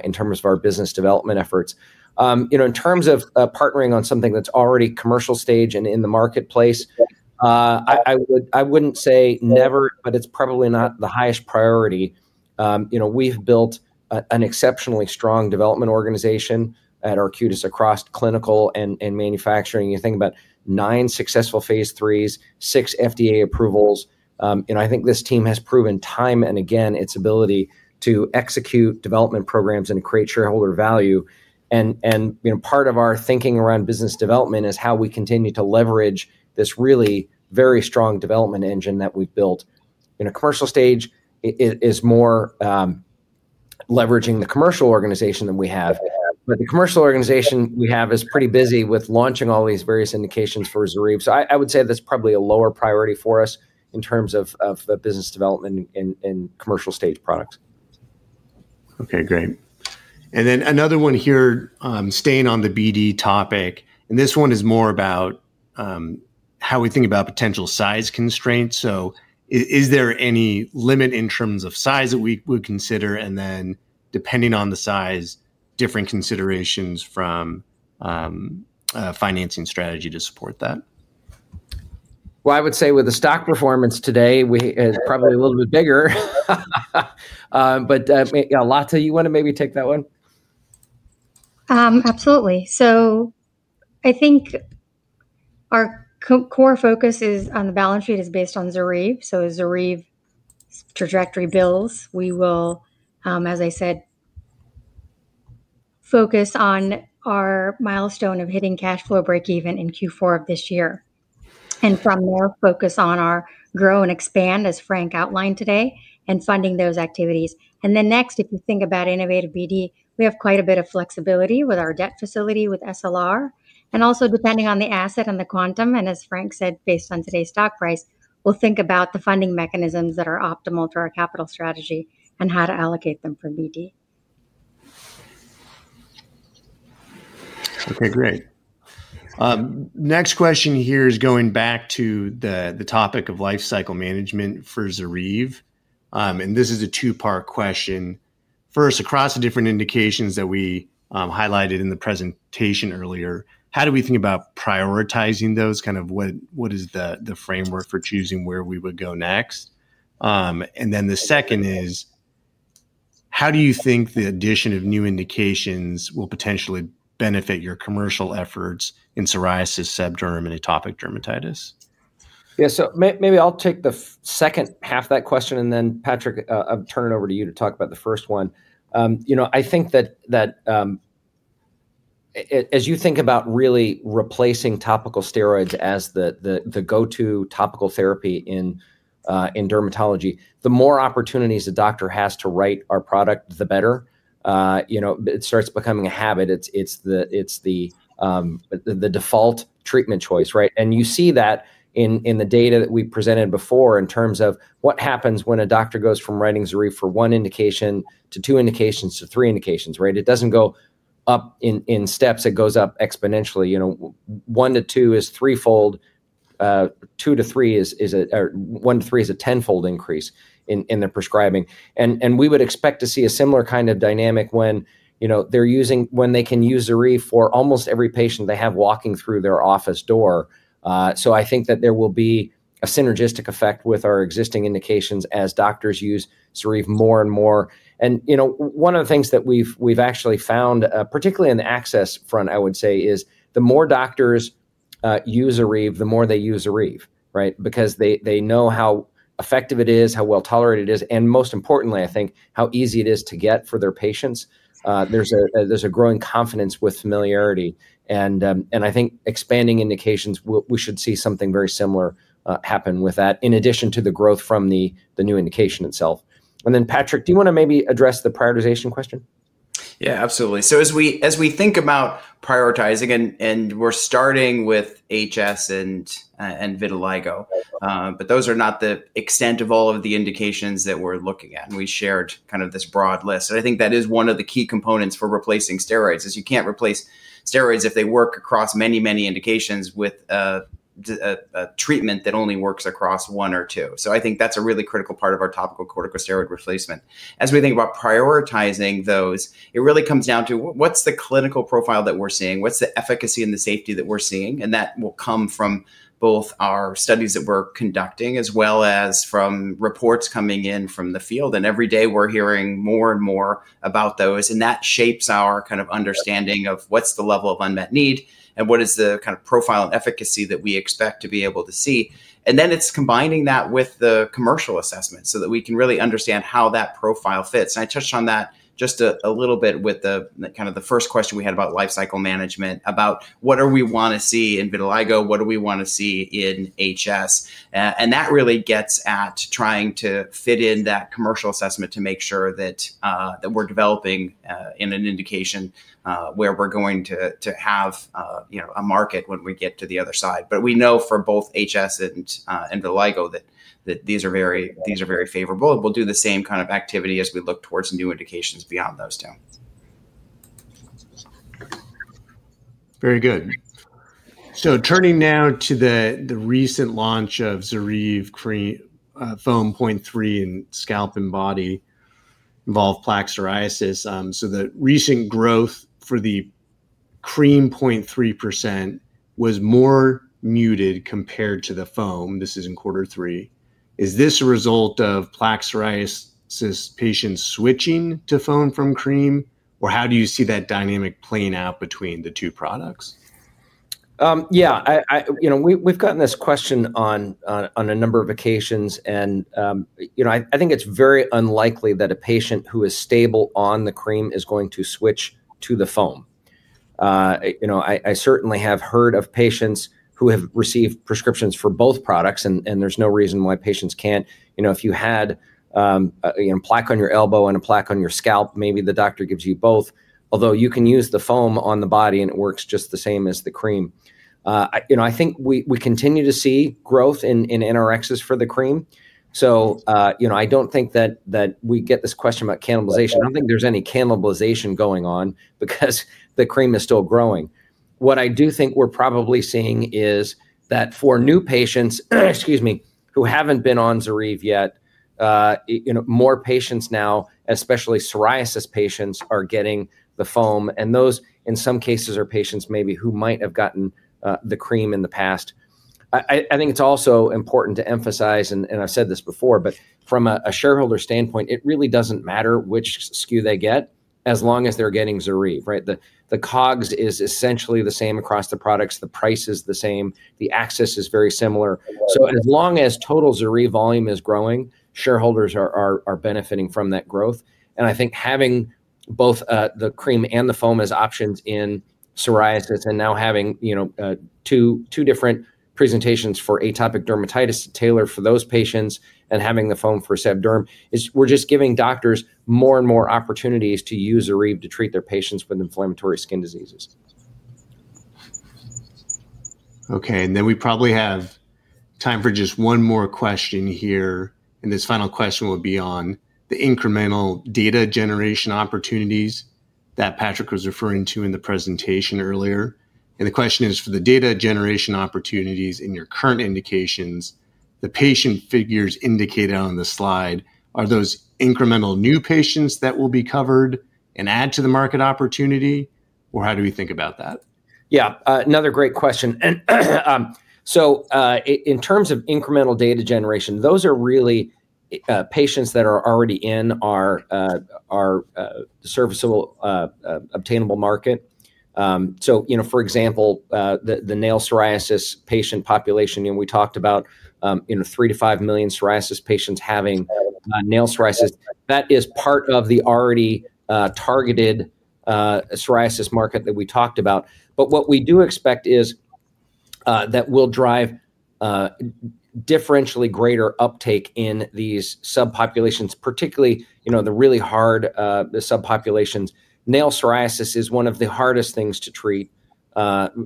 Speaker 3: in terms of our business development efforts. In terms of partnering on something that's already commercial stage and in the marketplace, I wouldn't say never, but it's probably not the highest priority. We've built an exceptionally strong development organization at Arcutis across clinical and manufacturing. You think about nine successful phase IIIs, six FDA approvals. I think this team has proven time and again its ability to execute development programs and create shareholder value. Part of our thinking around business development is how we continue to leverage this really very strong development engine that we've built. In a commercial stage, it is more leveraging the commercial organization that we have. The commercial organization we have is pretty busy with launching all these various indications for ZORYVE. I would say that's probably a lower priority for us in terms of the business development in commercial stage products.
Speaker 2: OK, great. Another one here, staying on the BD topic. This one is more about how we think about potential size constraints. Is there any limit in terms of size that we would consider? Depending on the size, are there different considerations from financing strategy to support that?
Speaker 3: I would say with the stock performance today, it's probably a little bit bigger. Latha, you want to maybe take that one?
Speaker 5: Absolutely. I think our core focus on the balance sheet is based on ZORYVE. As ZORYVE's trajectory builds, we will, as I said, focus on our milestone of hitting cash flow breakeven in Q4 of this year. From there, we focus on our grow and expand, as Frank outlined today, and funding those activities. Next, if you think about innovative BD, we have quite a bit of flexibility with our debt facility with SLR. Also, depending on the asset and the quantum, and as Frank said, based on today's stock price, we'll think about the funding mechanisms that are optimal for our capital strategy and how to allocate them for BD.
Speaker 2: OK, great. Next question here is going back to the topic of lifecycle management for ZORYVE. This is a two-part question. First, across the different indications that we highlighted in the presentation earlier, how do we think about prioritizing those? What is the framework for choosing where we would go next? The second is, how do you think the addition of new indications will potentially benefit your commercial efforts in psoriasis, seborrheic dermatitis, and atopic dermatitis?
Speaker 3: Yeah, maybe I'll take the second half of that question. Patrick, I'll turn it over to you to talk about the first one. I think that as you think about really replacing topical steroids as the go-to topical therapy in dermatology, the more opportunities the doctor has to write our product, the better. It starts becoming a habit. It's the default treatment choice. You see that in the data that we presented before in terms of what happens when a doctor goes from writing ZORYVE for one indication to two indications to three indications. It doesn't go up in steps. It goes up exponentially. One to two is threefold. Two to three is a tenfold increase in the prescribing. We would expect to see a similar kind of dynamic when they can use ZORYVE for almost every patient they have walking through their office door. I think that there will be a synergistic effect with our existing indications as doctors use ZORYVE more and more. One of the things that we've actually found, particularly on the access front, is the more doctors use ZORYVE, the more they use ZORYVE because they know how effective it is, how well tolerated it is, and most importantly, how easy it is to get for their patients. There's a growing confidence with familiarity. I think expanding indications, we should see something very similar happen with that, in addition to the growth from the new indication itself. Patrick, do you want to maybe address the prioritization question?
Speaker 6: Yeah, absolutely. As we think about prioritizing, we're starting with HS and vitiligo, but those are not the extent of all of the indications that we're looking at. We shared kind of this broad list. I think that is one of the key components for replacing steroids. You can't replace steroids if they work across many, many indications with a treatment that only works across one or two. I think that's a really critical part of our topical corticosteroid replacement. As we think about prioritizing those, it really comes down to what's the clinical profile that we're seeing, what's the efficacy and the safety that we're seeing. That will come from both our studies that we're conducting, as well as from reports coming in from the field. Every day, we're hearing more and more about those. That shapes our kind of understanding of what's the level of unmet need and what is the kind of profile and efficacy that we expect to be able to see. It is combining that with the commercial assessment so that we can really understand how that profile fits. I touched on that just a little bit with the first question we had about lifecycle management, about what do we want to see in vitiligo, what do we want to see in HS. That really gets at trying to fit in that commercial assessment to make sure that we're developing in an indication where we're going to have a market when we get to the other side. We know for both HS and vitiligo that these are very favorable. We'll do the same kind of activity as we look towards new indications beyond those two.
Speaker 2: Very good. Turning now to the recent launch of ZORYVE foam 0.3% in scalp and body-involved plaque psoriasis, the recent growth for the cream 0.3% was more muted compared to the foam. This is in quarter three. Is this a result of plaque psoriasis patients switching to foam from cream, or how do you see that dynamic playing out between the two products?
Speaker 3: Yeah, we've gotten this question on a number of occasions. I think it's very unlikely that a patient who is stable on the cream is going to switch to the foam. I certainly have heard of patients who have received prescriptions for both products, and there's no reason why patients can't. If you had plaque on your elbow and a plaque on your scalp, maybe the doctor gives you both. Although you can use the foam on the body, and it works just the same as the cream. I think we continue to see growth in prescriptions for the cream. I don't think that we get this question about cannibalization. I don't think there's any cannibalization going on because the cream is still growing. What I do think we're probably seeing is that for new patients, who haven't been on ZORYVE yet, more patients now, especially psoriasis patients, are getting the foam. In some cases, those are patients maybe who might have gotten the cream in the past. I think it's also important to emphasize, and I've said this before, but from a shareholder standpoint, it really doesn't matter which SKU they get as long as they're getting ZORYVE. The COGS is essentially the same across the products. The price is the same. The access is very similar. As long as total ZORYVE volume is growing, shareholders are benefiting from that growth. I think having both the cream and the foam as options in psoriasis and now having two different presentations for atopic dermatitis tailored for those patients and having the foam for seb derm is just giving doctors more and more opportunities to use ZORYVE to treat their patients with inflammatory skin diseases.
Speaker 2: OK, we probably have time for just one more question here. This final question will be on the incremental data generation opportunities that Patrick was referring to in the presentation earlier. The question is, for the data generation opportunities in your current indications, the patient figures indicated on the slide, are those incremental new patients that will be covered and add to the market opportunity? How do we think about that?
Speaker 3: Yeah, another great question. In terms of incremental data generation, those are really patients that are already in our serviceable obtainable market. For example, the nail psoriasis patient population, we talked about 3-5 million psoriasis patients having nail psoriasis. That is part of the already targeted psoriasis market that we talked about. We do expect that we'll drive differentially greater uptake in these subpopulations, particularly the really hard subpopulations. Nail psoriasis is one of the hardest things to treat.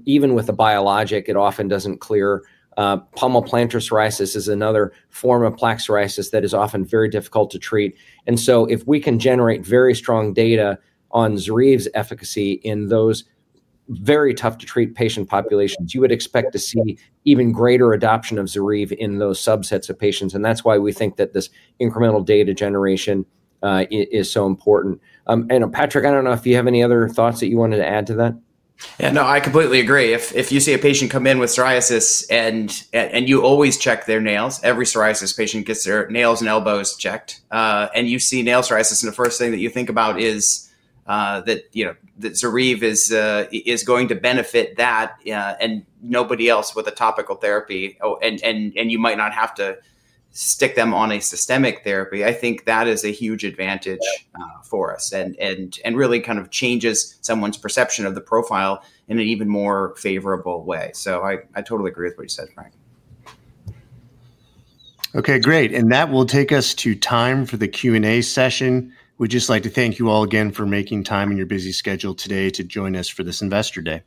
Speaker 3: Even with a biologic, it often doesn't clear. Palmar plantar psoriasis is another form of plaque psoriasis that is often very difficult to treat. If we can generate very strong data on ZORYVE's efficacy in those very tough-to-treat patient populations, you would expect to see even greater adoption of ZORYVE in those subsets of patients. That's why we think that this incremental data generation is so important. Patrick, I don't know if you have any other thoughts that you wanted to add to that.
Speaker 6: Yeah. No, I completely agree. If you see a patient come in with psoriasis, and you always check their nails, every psoriasis patient gets their nails and elbows checked, and you see nail psoriasis, and the first thing that you think about is that ZORYVE is going to benefit that and nobody else with a topical therapy, and you might not have to stick them on a systemic therapy, I think that is a huge advantage for us and really kind of changes someone's perception of the profile in an even more favorable way. I totally agree with what you said, Frank.
Speaker 2: OK, great. That will take us to time for the Q&A session. We'd just like to thank you all again for making time in your busy schedule today to join us for this Investor Day.